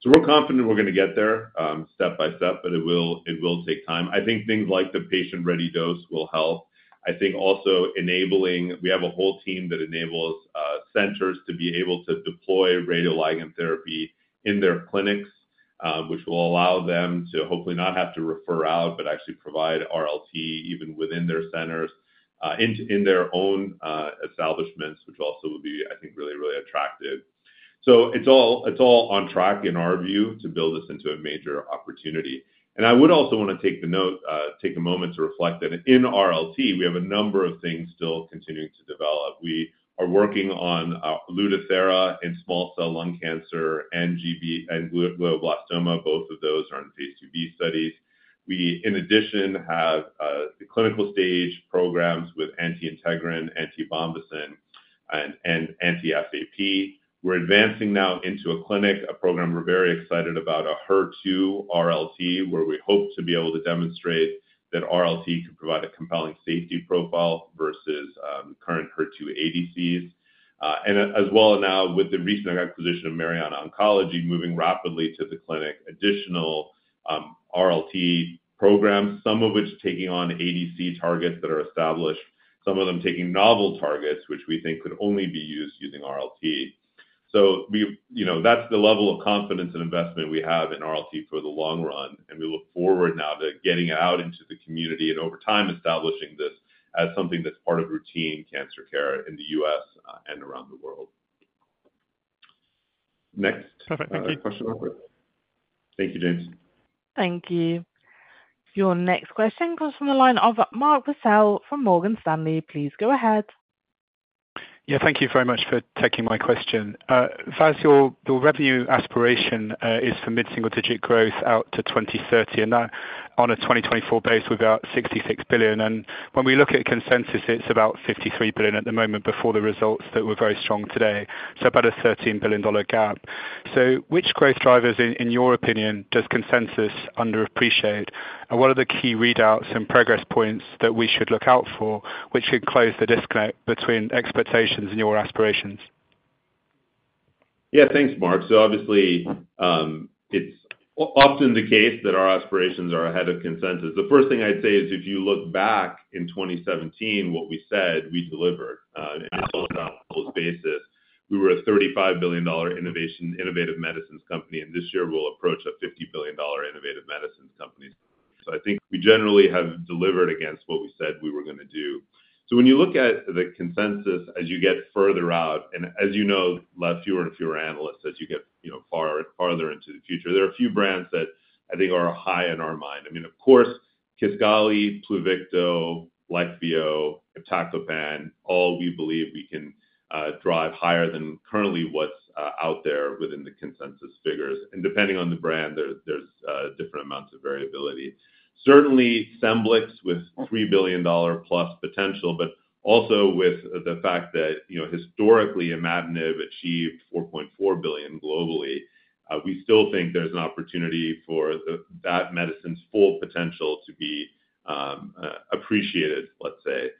So we're confident we're going to get there, step by step, but it will, it will take time. I think things like the Patient-Ready Dose will help. I think also enabling... We have a whole team that enables centers to be able to deploy radioligand therapy in their clinics, which will allow them to hopefully not have to refer out, but actually provide RLT even within their centers, in, in their own establishments, which also will be, I think, really, really attractive. So it's all, it's all on track, in our view, to build this into a major opportunity. And I would also want to take a moment to reflect that in RLT, we have a number of things still continuing to develop. We are working on Lutathera in small cell lung cancer and GBM and glioblastoma. Both of those are in phase IIb studies. We, in addition, have the clinical stage programs with anti-integrin, anti-von Willebrand, and anti-SAP. We're advancing now into the clinic, a program we're very excited about, a HER2 RLT, where we hope to be able to demonstrate that RLT can provide a compelling safety profile versus current HER2 ADCs. And as well, now, with the recent acquisition of Mariana Oncology, moving rapidly to the clinic, additional RLT programs, some of which taking on ADC targets that are established, some of them taking novel targets, which we think could only be used using RLT. So we, you know, that's the level of confidence and investment we have in RLT for the long run, and we look forward now to getting out into the community, and over time, establishing this as something that's part of routine cancer care in the U.S., and around the world. Next- Perfect. Thank you. Question operator. Thank you, James. Thank you. Your next question comes from the line of Mark Purcell from Morgan Stanley. Please go ahead. Yeah, thank you very much for taking my question. Vas, your, your revenue aspiration is for mid-single digit growth out to 2030, and that on a 2024 base, we've got $66 billion. And when we look at consensus, it's about $53 billion at the moment before the results that were very strong today, so about a $13 billion gap. So which growth drivers, in, in your opinion, does consensus underappreciate? And what are the key readouts and progress points that we should look out for, which should close the disconnect between expectations and your aspirations? Yeah, thanks, Mark. So obviously, it's often the case that our aspirations are ahead of consensus. The first thing I'd say is, if you look back in 2017, what we said, we delivered, and on an apples-to-apples basis, we were a $35 billion innovative medicines company, and this year we'll approach a $50 billion innovative medicines company. So I think we generally have delivered against what we said we were gonna do. So when you look at the consensus as you get further out, and as you know, fewer and fewer analysts as you get, you know, farther into the future, there are a few brands that I think are high in our mind. I mean, of course, Kisqali, Pluvicto, Leqvio, Iptacopan, all we believe we can drive higher than currently what's out there within the consensus figures. Depending on the brand, there's different amounts of variability. Certainly, Scemblix, with $3+ billion potential, but also with the fact that, you know, historically, imatinib achieved $4.4 billion globally, we still think there's an opportunity for that medicine's full potential to be appreciated, let's say.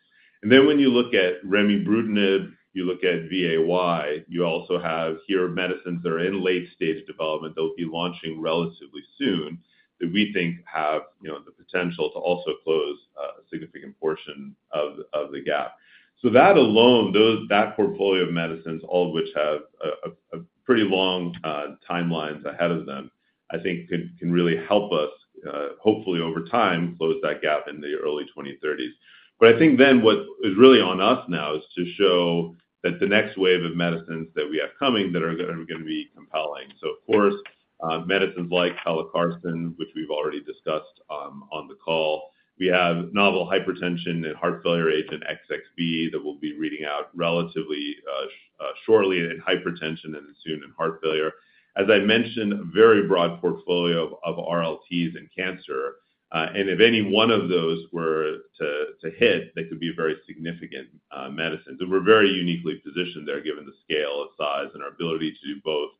And then when you look at Remibrutinib, you look at VAY, you also have here medicines that are in late stage development, they'll be launching relatively soon, that we think have, you know, the potential to also close a significant portion of the gap. So that alone, those, that portfolio of medicines, all of which have a pretty long timelines ahead of them, I think can really help us, hopefully, over time, close that gap in the early 2030s. But I think then what is really on us now is to show that the next wave of medicines that we have coming that are gonna be compelling. So of course, medicines like pelacarsen, which we've already discussed on the call. We have novel hypertension and heart failure agent, XXB, that we'll be reading out relatively shortly in hypertension and soon in heart failure. As I mentioned, a very broad portfolio of RLTs in cancer, and if any one of those were to hit, they could be very significant medicines. So we're very uniquely positioned there, given the scale of size and our ability to do both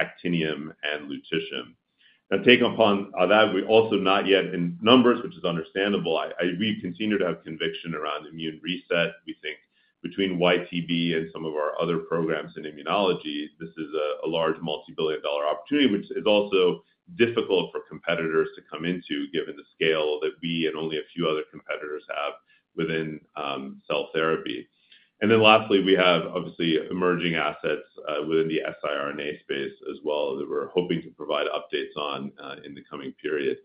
actinium and lutetium. Now, taking upon that, we also not yet in numbers, which is understandable. We continue to have conviction around immune reset. We think between YTB and some of our other programs in immunology, this is a, a large multibillion-dollar opportunity, which is also difficult for competitors to come into, given the scale that we and only a few other competitors have within, cell therapy. And then lastly, we have, obviously, emerging assets, within the siRNA space as well, that we're hoping to provide updates on, in the coming period.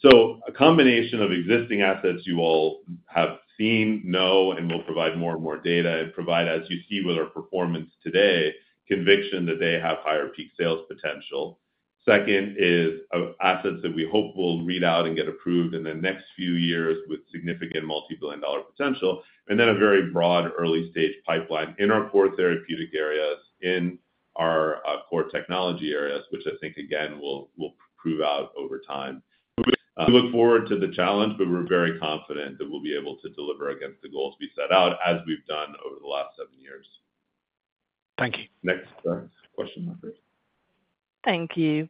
So a combination of existing assets you all have seen, know, and will provide more and more data, and provide, as you see with our performance today, conviction that they have higher peak sales potential. Second is, assets that we hope will read out and get approved in the next few years with significant multibillion-dollar potential, and then a very broad early stage pipeline in our core therapeutic areas, in our, core technology areas, which I think again, will prove out over time. We look forward to the challenge, but we're very confident that we'll be able to deliver against the goals we set out, as we've done over the last seven years. Thank you. Next question, operator. Thank you.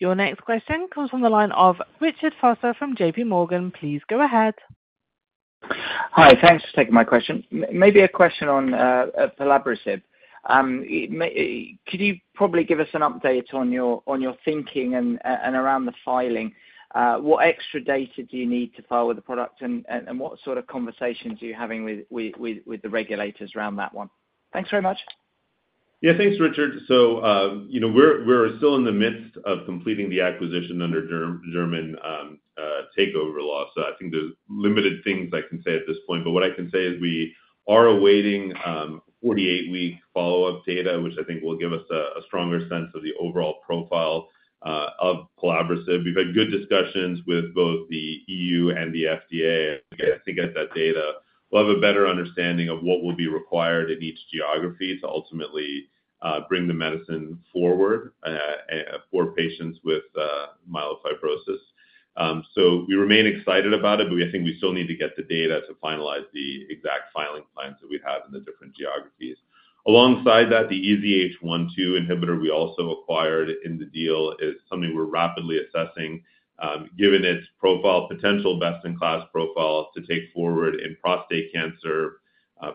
Your next question comes from the line of Richard Vosser from JPMorgan. Please go ahead. Hi, thanks for taking my question. Maybe a question on Pelabresib. It may—could you probably give us an update on your thinking and around the filing? What extra data do you need to file with the product, and what sort of conversations are you having with the regulators around that one? Thanks very much. Yeah, thanks, Richard. So, you know, we're still in the midst of completing the acquisition under German takeover law, so I think there's limited things I can say at this point. But what I can say is we are awaiting 48-week follow-up data, which I think will give us a stronger sense of the overall profile of Pelabresib. We've had good discussions with both the EU and the FDA to get that data. We'll have a better understanding of what will be required in each geography to ultimately bring the medicine forward for patients with myelofibrosis. So we remain excited about it, but we think we still need to get the data to finalize the exact filing plans that we have in the different geographies. Alongside that, the EZH1/2 inhibitor we also acquired in the deal is something we're rapidly assessing, given its profile, potential best-in-class profile to take forward in prostate cancer....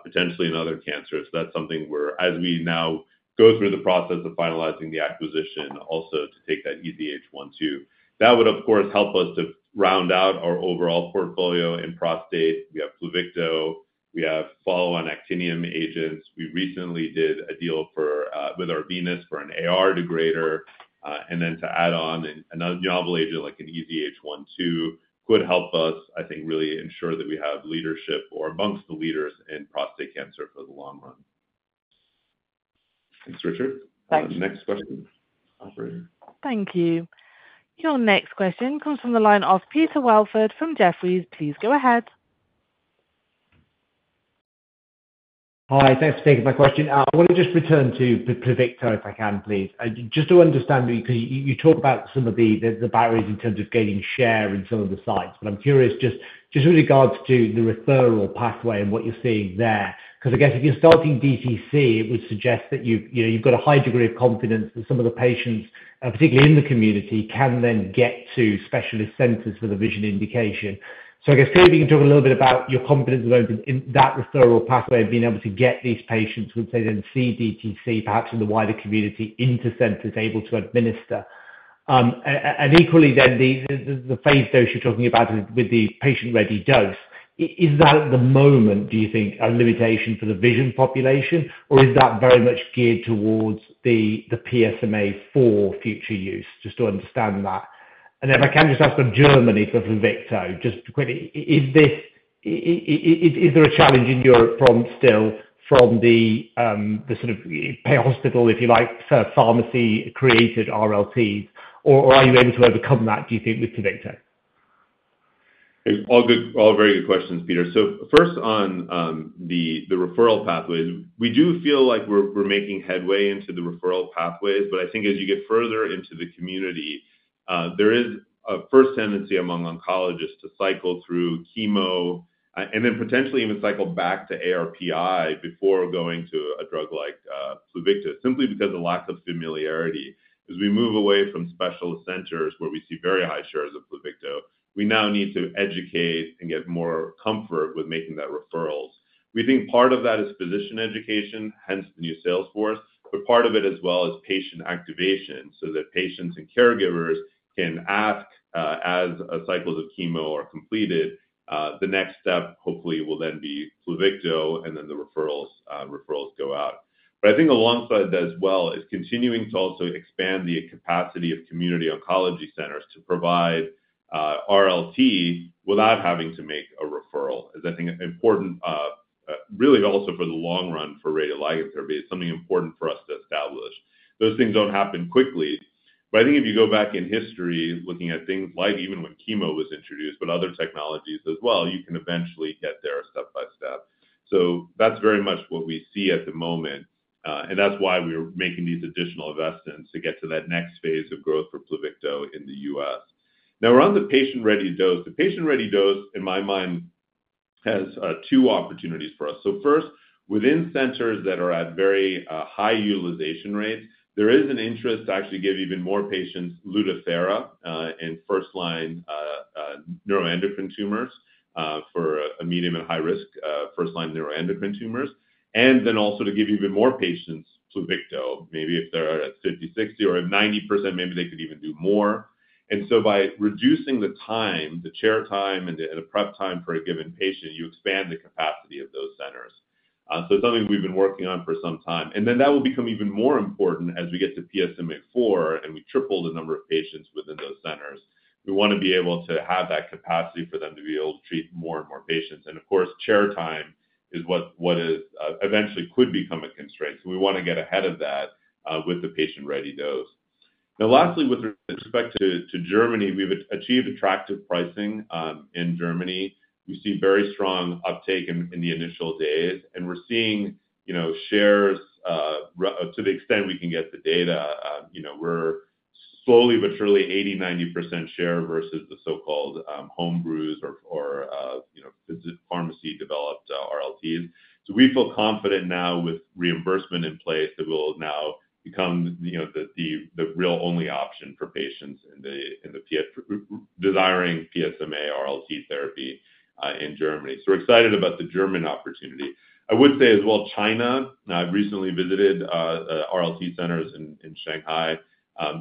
potentially in other cancers. So that's something we're, as we now go through the process of finalizing the acquisition, also to take that EZH1/2. That would, of course, help us to round out our overall portfolio. In prostate, we have Pluvicto, we have follow-on actinium agents. We recently did a deal for, with Arvinas for an AR degrader, and then to add on another novel agent, like an EZH1/2, could help us, I think, really ensure that we have leadership or amongst the leaders in prostate cancer for the long run. Thanks, Richard. Thanks. Next question, operator. Thank you. Your next question comes from the line of Peter Welford from Jefferies. Please go ahead. Hi, thanks for taking my question. I want to just return to Pluvicto, if I can, please. Just to understand, because you talked about some of the barriers in terms of gaining share in some of the sites. But I'm curious, just with regards to the referral pathway and what you're seeing there, because I guess if you're starting DTC, it would suggest that you've, you know, you've got a high degree of confidence that some of the patients, particularly in the community, can then get to specialist centers for the VISION indication. So I guess, first, if you can talk a little bit about your confidence about that referral pathway of being able to get these patients, which they then see DTC, perhaps in the wider community, into centers able to administer. And equally, then, the patient dose you're talking about with the Patient-Ready Dose, is that at the moment, do you think, a limitation for the VISION population, or is that very much geared towards the PSMAfore for future use? Just to understand that. And if I can just ask on Germany for Pluvicto, just quickly, is there a challenge in Europe from still, from the sort of pay hospital, if you like, so pharmacy-created RLTs, or are you able to overcome that, do you think, with Pluvicto? All very good questions, Peter. So first on the referral pathways. We do feel like we're making headway into the referral pathways, but I think as you get further into the community, there is a first tendency among oncologists to cycle through chemo and then potentially even cycle back to ARPI before going to a drug like Pluvicto, simply because of lack of familiarity. As we move away from specialist centers, where we see very high shares of Pluvicto, we now need to educate and get more comfort with making that referrals. We think part of that is physician education, hence the new sales force, but part of it as well is patient activation, so that patients and caregivers can ask as cycles of chemo are completed. The next step hopefully will then be Pluvicto, and then the referrals, referrals go out. But I think alongside that as well, is continuing to also expand the capacity of community oncology centers to provide RLT without having to make a referral, is I think, important, really also for the long run for radioligand therapy. It's something important for us to establish. Those things don't happen quickly, but I think if you go back in history, looking at things like even when chemo was introduced, but other technologies as well, you can eventually get there step by step. So that's very much what we see at the moment, and that's why we're making these additional investments to get to that next phase of growth for Pluvicto in the U.S. Now, around the patient-ready dose. The patient-ready dose, in my mind, has two opportunities for us. So first, within centers that are at very high utilization rates, there is an interest to actually give even more patients Lutathera in first line neuroendocrine tumors for a medium and high risk first line neuroendocrine tumors. And then also to give even more patients Pluvicto, maybe if they're at 50, 60, or at 90%, maybe they could even do more. And so by reducing the time, the chair time and the prep time for a given patient, you expand the capacity of those centers. So it's something we've been working on for some time. And then that will become even more important as we get to PSMAfore, and we triple the number of patients within those centers. We wanna be able to have that capacity for them to be able to treat more and more patients. And of course, chair time is what eventually could become a constraint. So we wanna get ahead of that with the patient-ready dose. Now, lastly, with respect to Germany, we've achieved attractive pricing in Germany. We see very strong uptake in the initial days, and we're seeing, you know, shares running to the extent we can get the data, you know, we're slowly but surely 80%-90% share versus the so-called home brews or you know, pharmacy-developed RLTs. So we feel confident now with reimbursement in place, that we'll now become, you know, the real only option for patients desiring PSMA RLT therapy in Germany. So we're excited about the German opportunity. I would say as well, China. Now, I've recently visited RLT centers in Shanghai.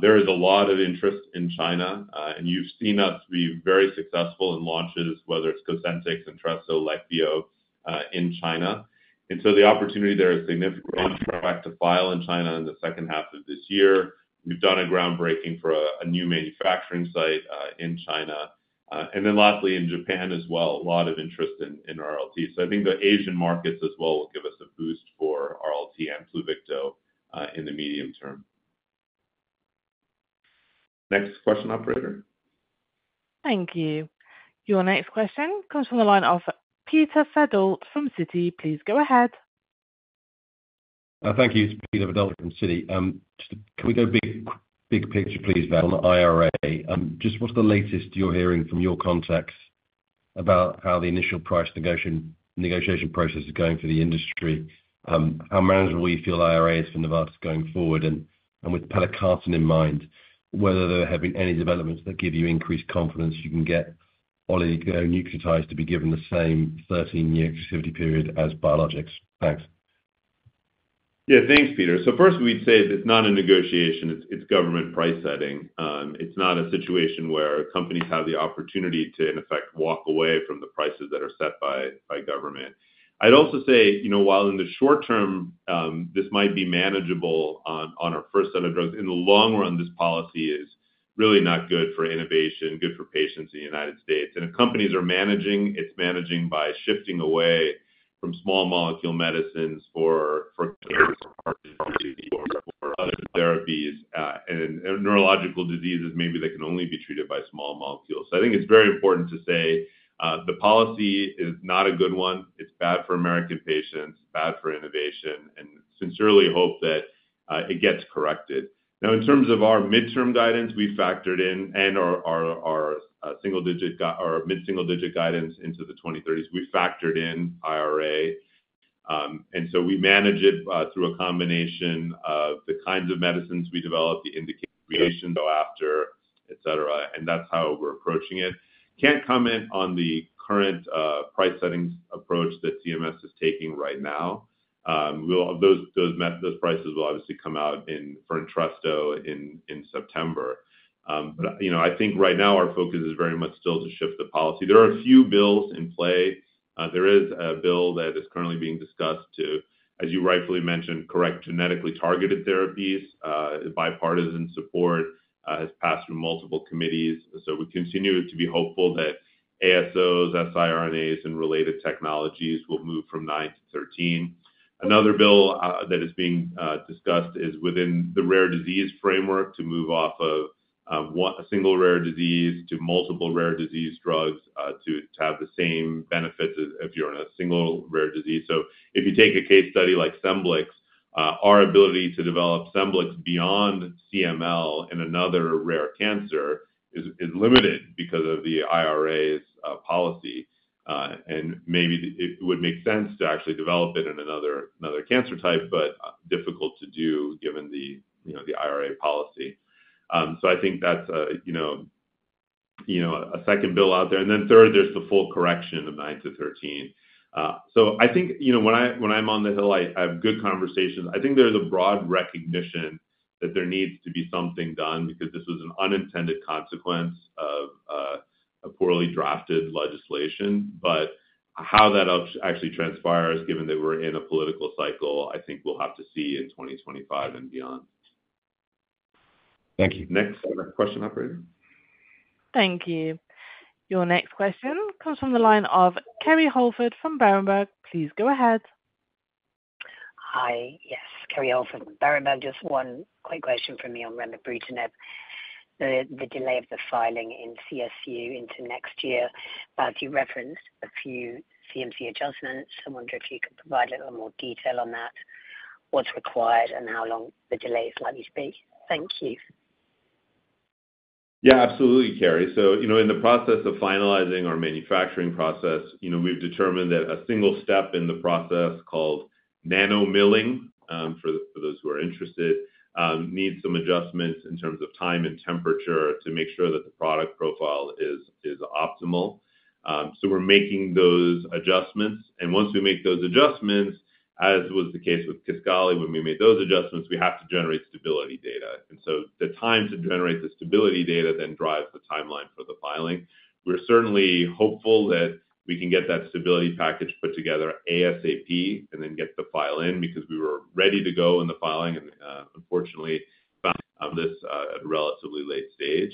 There is a lot of interest in China, and you've seen us be very successful in launches, whether it's Cosentyx, Entresto, or Leqvio, in China. And so the opportunity there is significant. On track to file in China in the second half of this year. We've done a groundbreaking for a new manufacturing site in China. And then lastly, in Japan as well, a lot of interest in RLT. So I think the Asian markets as well, will give us a boost for RLT and Pluvicto in the medium term. Next question, operator. Thank you. Your next question comes from the line of Peter Verdult from Citi. Please go ahead. Thank you. It's Peter Verdult from Citi. Just can we go big picture, please, Ben, on the IRA? Just what's the latest you're hearing from your contacts about how the initial price negotiation process is going for the industry? How manageable you feel IRA is for Novartis going forward? And with pelacarsen in mind, whether there have been any developments that give you increased confidence you can get oligonucleotides to be given the same 13-year exclusivity period as biologics? Thanks. Yeah, thanks, Peter. So first, we'd say that it's not a negotiation, it's government price setting. It's not a situation where companies have the opportunity to, in effect, walk away from the prices that are set by government. I'd also say, you know, while in the short term, this might be manageable on our first set of drugs, in the long run, this policy is really not good for innovation, good for patients in the United States. And if companies are managing, it's managing by shifting away from small molecule medicines for care or for other therapies, and neurological diseases, maybe they can only be treated by small molecules. So I think it's very important to say the policy is not a good one. It's bad for American patients, bad for innovation, and sincerely hope that it gets corrected. Now, in terms of our midterm guidance, we factored in single digit or mid-single digit guidance into the 2030s. We factored in IRA, and so we manage it through a combination of the kinds of medicines we develop, the indications we go after, et cetera, and that's how we're approaching it. Can't comment on the current price settings approach that CMS is taking right now. Those prices will obviously come out in September for Entresto. But, you know, I think right now our focus is very much still to shift the policy. There are a few bills in play. There is a bill that is currently being discussed to, as you rightfully mentioned, correct genetically targeted therapies. Bipartisan support has passed through multiple committees, so we continue to be hopeful that ASOs, siRNAs, and related technologies will move from nine to 13. Another bill that is being discussed is within the rare disease framework to move off of 1—a single rare disease to multiple rare disease drugs, to have the same benefits as if you're in a single rare disease. So if you take a case study like Scemblix, our ability to develop Scemblix beyond CML and another rare cancer is limited because of the IRA's policy. And maybe it would make sense to actually develop it in another cancer type, but difficult to do given the, you know, the IRA policy. So I think that's a, you know, a second bill out there. And then third, there's the full correction of nine to 13. So I think, you know, when I'm on the Hill, I have good conversations. I think there's a broad recognition that there needs to be something done because this was an unintended consequence of a poorly drafted legislation. But how that actually transpires, given that we're in a political cycle, I think we'll have to see in 2025 and beyond. Thank you. Next, next question, operator. Thank you. Your next question comes from the line of Kerry Holford from Berenberg. Please go ahead. Hi. Yes, Kerry Holford, Berenberg. Just one quick question for me on Remibrutinib. The delay of the filing in CSU into next year, as you referenced a few CMC adjustments. I wonder if you could provide a little more detail on that, what's required and how long the delay is likely to be? Thank you. Yeah, absolutely, Kerry. So, you know, in the process of finalizing our manufacturing process, you know, we've determined that a single step in the process, called nano milling, for those who are interested, needs some adjustments in terms of time and temperature to make sure that the product profile is optimal. So we're making those adjustments, and once we make those adjustments, as was the case with Kisqali, when we made those adjustments, we have to generate stability data. And so the time to generate the stability data then drives the timeline for the filing. We're certainly hopeful that we can get that stability package put together ASAP and then get the file in, because we were ready to go in the filing and, unfortunately, found out this at a relatively late stage.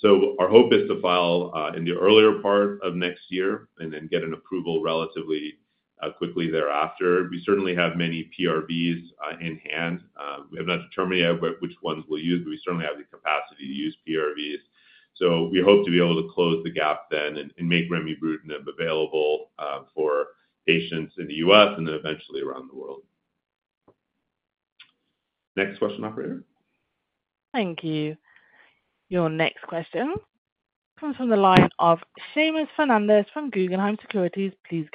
So our hope is to file in the earlier part of next year and then get an approval relatively quickly thereafter. We certainly have many PRVs in hand. We have not determined yet which ones we'll use, but we certainly have the capacity to use PRVs. So we hope to be able to close the gap then and make Remibrutinib available for patients in the U.S. and then eventually around the world. Next question, operator. Thank you. Your next question comes from the line of Seamus Fernandez from Guggenheim Securities. Please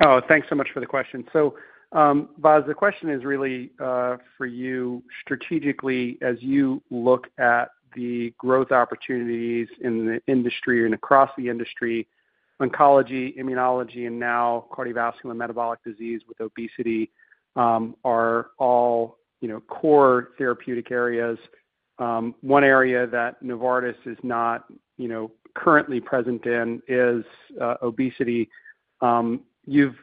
go ahead. Oh, thanks so much for the question. So, Vas, the question is really for you strategically, as you look at the growth opportunities in the industry and across the industry, oncology, immunology, and now cardiovascular and metabolic disease with obesity are all, you know, core therapeutic areas. One area that Novartis is not, you know, currently present in is obesity. You've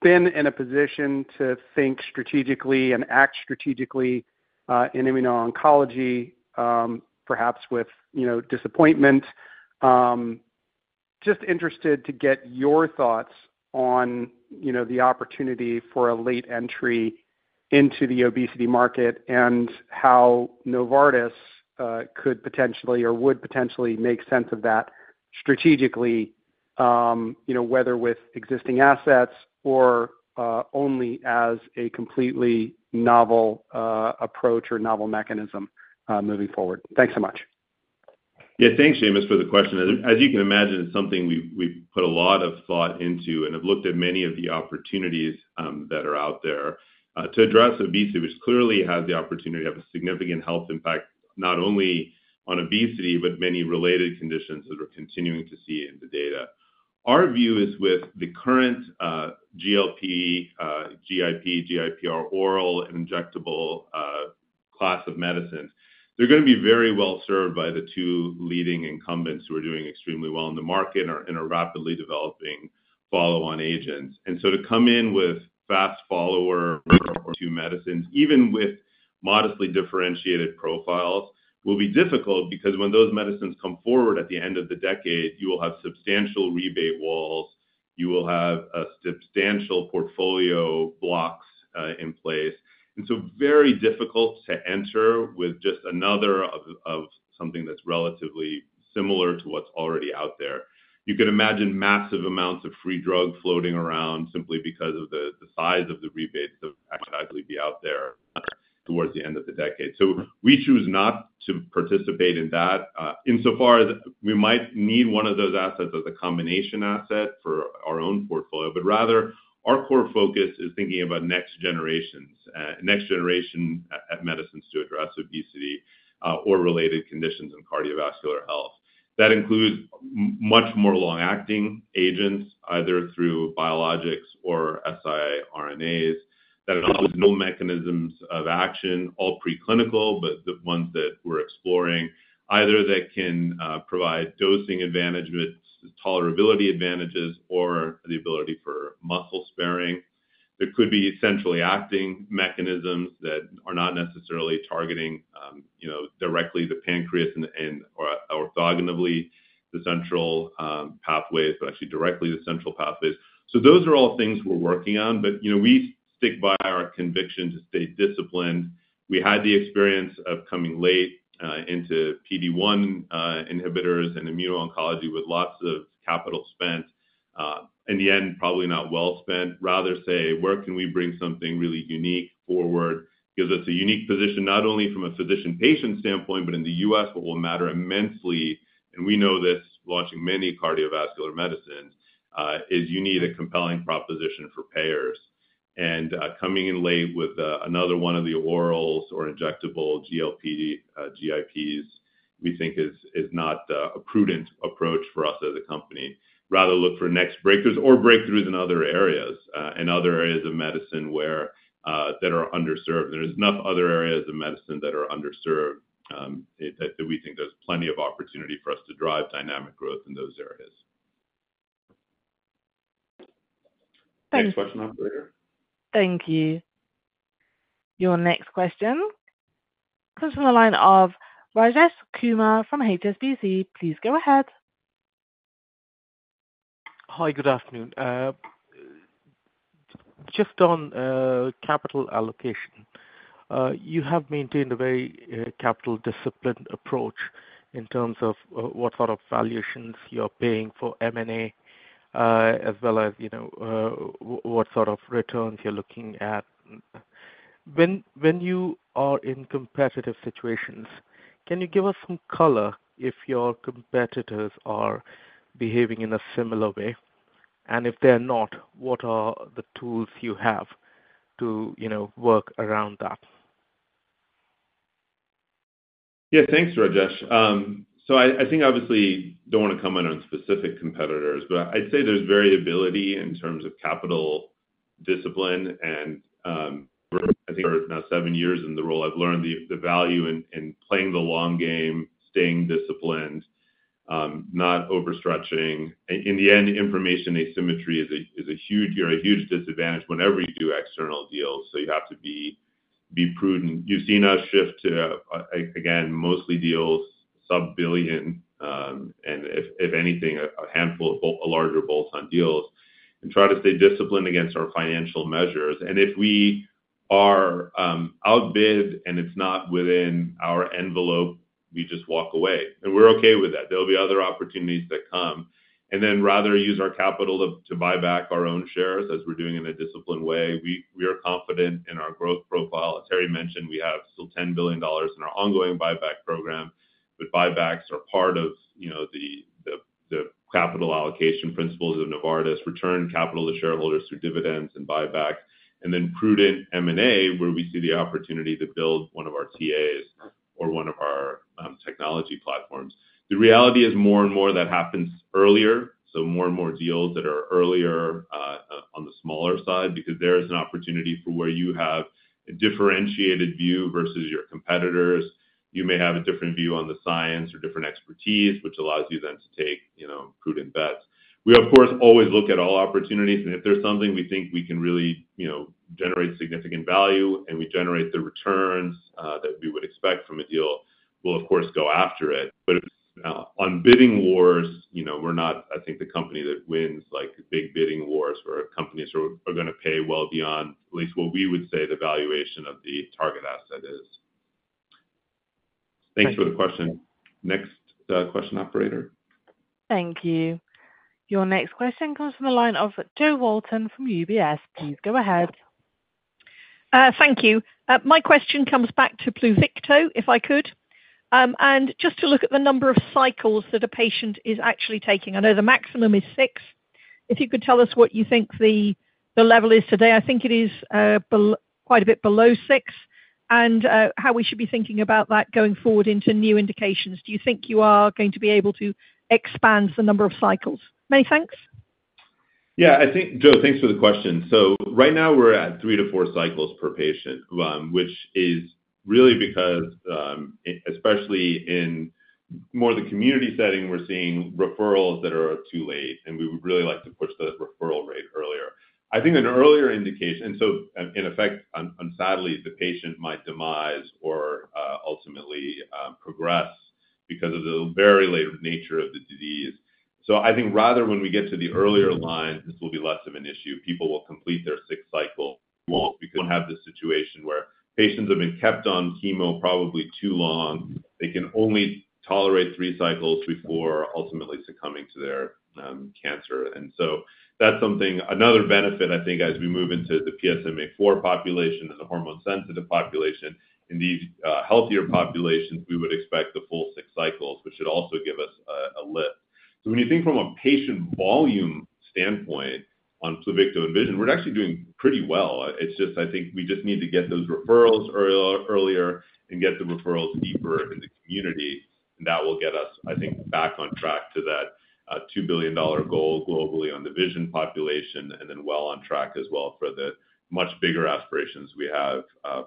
been in a position to think strategically and act strategically in immuno-oncology, perhaps with, you know, disappointment. Just interested to get your thoughts on, you know, the opportunity for a late entry into the obesity market and how Novartis could potentially or would potentially make sense of that strategically, you know, whether with existing assets or only as a completely novel approach or novel mechanism moving forward. Thanks so much. Yeah, thanks, Seamus, for the question. As you can imagine, it's something we've put a lot of thought into and have looked at many of the opportunities that are out there. To address obesity, which clearly has the opportunity to have a significant health impact, not only on obesity, but many related conditions that we're continuing to see in the data.... Our view is with the current GLP, GIP, GIPR, oral and injectable class of medicines, they're going to be very well served by the two leading incumbents who are doing extremely well in the market and are in a rapidly developing follow-on agents. And so to come in with fast follower or two medicines, even with modestly differentiated profiles, will be difficult, because when those medicines come forward at the end of the decade, you will have substantial rebate walls, you will have a substantial portfolio blocks in place. And so very difficult to enter with just another of something that's relatively similar to what's already out there. You could imagine massive amounts of free drugs floating around simply because of the size of the rebates that would actually be out there towards the end of the decade. So we choose not to participate in that, insofar as we might need one of those assets as a combination asset for our own portfolio, but rather, our core focus is thinking about next generations, next generation at medicines to address obesity, or related conditions in cardiovascular health. That includes much more long-acting agents, either through biologics or siRNAs, that have no mechanisms of action, all preclinical, but the ones that we're exploring, either that can provide dosing advantage with tolerability advantages or the ability for muscle sparing. There could be centrally acting mechanisms that are not necessarily targeting, you know, directly the pancreas and orthogonally, the central pathways, but actually directly the central pathways. So those are all things we're working on. But, you know, we stick by our conviction to stay disciplined. We had the experience of coming late into PD-1 inhibitors and immuno-oncology with lots of capital spent. In the end, probably not well spent. Rather say, where can we bring something really unique forward? Gives us a unique position, not only from a physician-patient standpoint, but in the U.S., what will matter immensely, and we know this, watching many cardiovascular medicines, is you need a compelling proposition for payers. And, coming in late with, another one of the orals or injectable GLP, GIPs, we think is not, a prudent approach for us as a company. Rather, look for next breakthroughs or breakthroughs in other areas, in other areas of medicine where, that are underserved. There's enough other areas of medicine that are underserved, that we think there's plenty of opportunity for us to drive dynamic growth in those areas. Thank- Next question, operator. Thank you. Your next question comes from the line of Rajesh Kumar from HSBC. Please go ahead. Hi, good afternoon. Just on capital allocation. You have maintained a very capital disciplined approach in terms of what sort of valuations you're paying for M&A, as well as, you know, what sort of returns you're looking at. When you are in competitive situations, can you give us some color if your competitors are behaving in a similar way? And if they're not, what are the tools you have to, you know, work around that? Yeah, thanks, Rajesh. So I think, obviously, don't want to comment on specific competitors, but I'd say there's variability in terms of capital discipline. I think now seven years in the role, I've learned the value in playing the long game, staying disciplined, not overstretching. In the end, information asymmetry is a huge, you're at a huge disadvantage whenever you do external deals, so you have to be prudent. You've seen us shift to, again, mostly deals, sub-billion, and if anything, a handful of larger bolt-on deals, and try to stay disciplined against our financial measures. And if we are outbid and it's not within our envelope, we just walk away, and we're okay with that. There will be other opportunities that come. And then rather use our capital to buy back our own shares, as we're doing in a disciplined way. We are confident in our growth profile. As Harry mentioned, we have still $10 billion in our ongoing buyback program, but buybacks are part of, you know, the capital allocation principles of Novartis, return capital to shareholders through dividends and buybacks, and then prudent M&A, where we see the opportunity to build one of our TAs or one of our technology platforms. The reality is more and more of that happens earlier, so more and more deals that are earlier on the smaller side, because there is an opportunity for where you have a differentiated view versus your competitors. You may have a different view on the science or different expertise, which allows you then to take, you know, prudent bets. We, of course, always look at all opportunities, and if there's something we think we can really, you know, generate significant value and we generate the returns that we would expect from a deal, we'll of course go after it. But on bidding wars, you know, we're not, I think, the company that wins, like, big bidding wars, where companies are gonna pay well beyond at least what we would say the valuation of the target asset is. Thank you. Thanks for the question. Next question, operator. Thank you. Your next question comes from the line of Jo Walton from UBS. Please go ahead. Thank you. My question comes back to Pluvicto, if I could. Just to look at the number of cycles that a patient is actually taking. I know the maximum is six. If you could tell us what you think the level is today. I think it is quite a bit below six, and how we should be thinking about that going forward into new indications. Do you think you are going to be able to expand the number of cycles? Many thanks. Yeah, I think, Jo, thanks for the question. So right now we're at three to four cycles per patient, which is really because, especially in more the community setting, we're seeing referrals that are too late, and we would really like to push the referral rate earlier. I think an earlier indication—so, in effect, sadly, the patient might demise or, ultimately, progress because of the very late nature of the disease. So I think rather when we get to the earlier lines, this will be less of an issue. People will complete their sixth cycle, won't, because we have this situation where patients have been kept on chemo probably too long. They can only tolerate three cycles before ultimately succumbing to their cancer. So that's something, another benefit, I think, as we move into the PSMAfore population and the hormone-sensitive population. In these healthier populations, we would expect the full six cycles, which should also give us a lift. So when you think from a patient volume standpoint on Pluvicto and VISION, we're actually doing pretty well. It's just, I think we just need to get those referrals earlier and get the referrals deeper in the community, and that will get us, I think, back on track to that $2 billion goal globally on the VISION population, and then well on track as well for the much bigger aspirations we have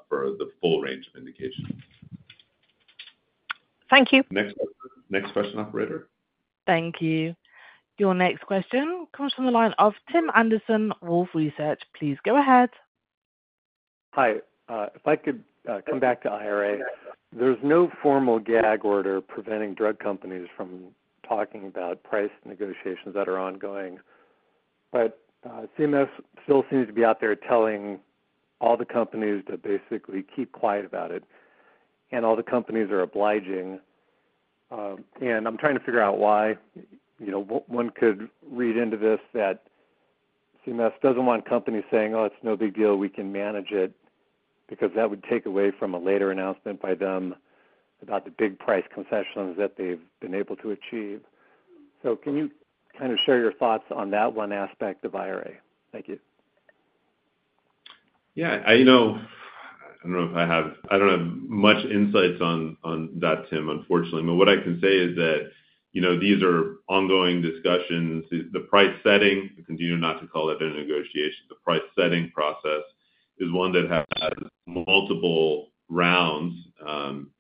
for the full range of indications. Thank you. Next, next question, operator. Thank you. Your next question comes from the line of Tim Anderson, Wolfe Research. Please go ahead. Hi, if I could, come back to IRA. There's no formal gag order preventing drug companies from talking about price negotiations that are ongoing, but, CMS still seems to be out there telling all the companies to basically keep quiet about it, and all the companies are obliging. I'm trying to figure out why. You know, one could read into this, that CMS doesn't want companies saying, "Oh, it's no big deal, we can manage it," because that would take away from a later announcement by them about the big price concessions that they've been able to achieve. So can you share your thoughts on that one aspect of IRA? Thank you. Yeah, I know. I don't know if I have. I don't have much insights on that, Tim, unfortunately. But what I can say is that, you know, these are ongoing discussions. The price setting, we continue not to call it a negotiation. The price-setting process is one that has multiple rounds,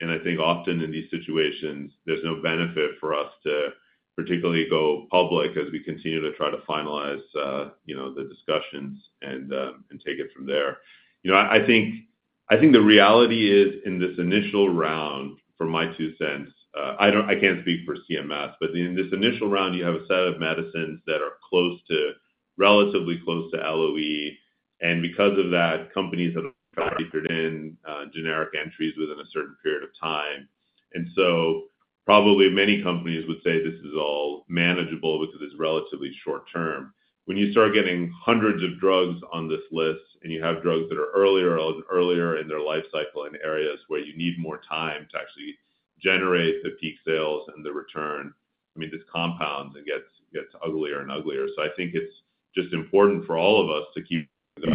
and I think often in these situations, there's no benefit for us to particularly go public as we continue to try to finalize, you know, the discussions and take it from there. You know, I think the reality is, in this initial round, for my two cents, I don't, I can't speak for CMS, but in this initial round, you have a set of medicines that are close to, relatively close to LOE, and because of that, companies have tried to put in generic entries within a certain period of time. So probably many companies would say this is all manageable because it's relatively short term. When you start getting hundreds of drugs on this list, and you have drugs that are earlier in their life cycle in areas where you need more time to actually generate the peak sales and the return, I mean, this compounds, it gets uglier and uglier. So I think it's just important for all of us to keep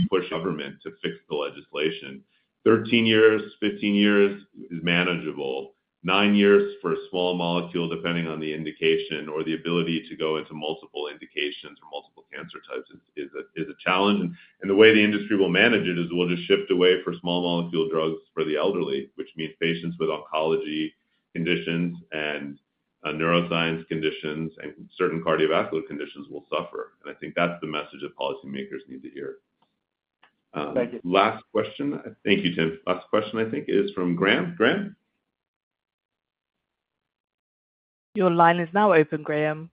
pushing government to fix the legislation. 13 years, 15 years is manageable. Nine years for a small molecule, depending on the indication or the ability to go into multiple indications or multiple cancer types, is a challenge. And the way the industry will manage it is we'll just shift away from small molecule drugs for the elderly, which means patients with oncology conditions and neuroscience conditions, and certain cardiovascular conditions will suffer. And I think that's the message that policymakers need to hear. Thank you. Last question. Thank you, Tim. Last question, I think, is from Graham. Graham? Your line is now open, Graham.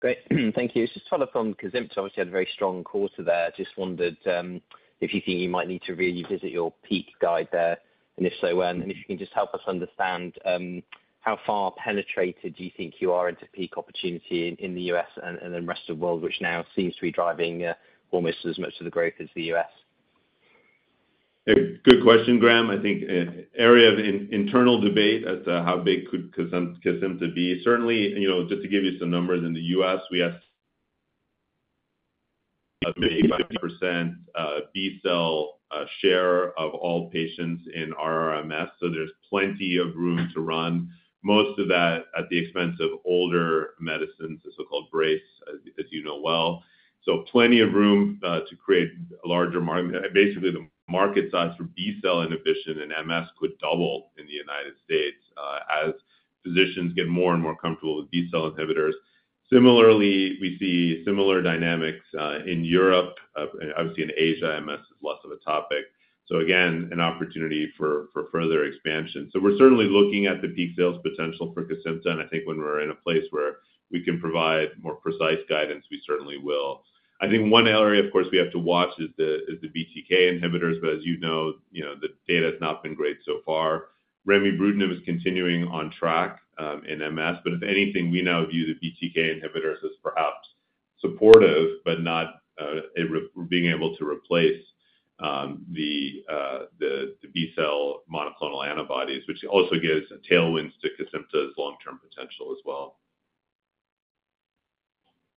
Great, thank you. Just follow up on Kesimpta, obviously, had a very strong quarter there. Just wondered, if you think you might need to revisit your peak guide there, and if so, and if you can just help us understand, how far penetrated do you think you are into peak opportunity in, in the U.S. and, and the rest of the world, which now seems to be driving, almost as much of the growth as the U.S.? Good question, Graham. I think, area of internal debate as to how big could Kesimpta be. Certainly, you know, just to give you some numbers, in the U.S., we have 50%, B-cell, share of all patients in RRMS, so there's plenty of room to run. Most of that at the expense of older medicines, the so-called BRACE, as you know well. So plenty of room, to create a larger market. Basically, the market size for B-cell inhibition in MS could double in the United States, as physicians get more and more comfortable with B-cell inhibitors. Similarly, we see similar dynamics, in Europe. Obviously in Asia, MS is less of a topic. So again, an opportunity for, for further expansion. So we're certainly looking at the peak sales potential for Kesimpta, and I think when we're in a place where we can provide more precise guidance, we certainly will. I think one area, of course, we have to watch is the BTK inhibitors, but as you know, you know, the data has not been great so far. Remibrutinib is continuing on track in MS, but if anything, we now view the BTK inhibitors as perhaps supportive, but not being able to replace the B-cell monoclonal antibodies, which also gives tailwinds to Kesimpta's long-term potential as well.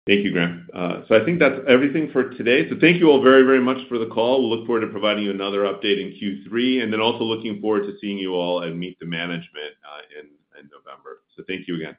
Thank you, Graham. So I think that's everything for today. So thank you all very, very much for the call. We look forward to providing you another update in Q3, and then also looking forward to seeing you all and meet the management, in November. So thank you again.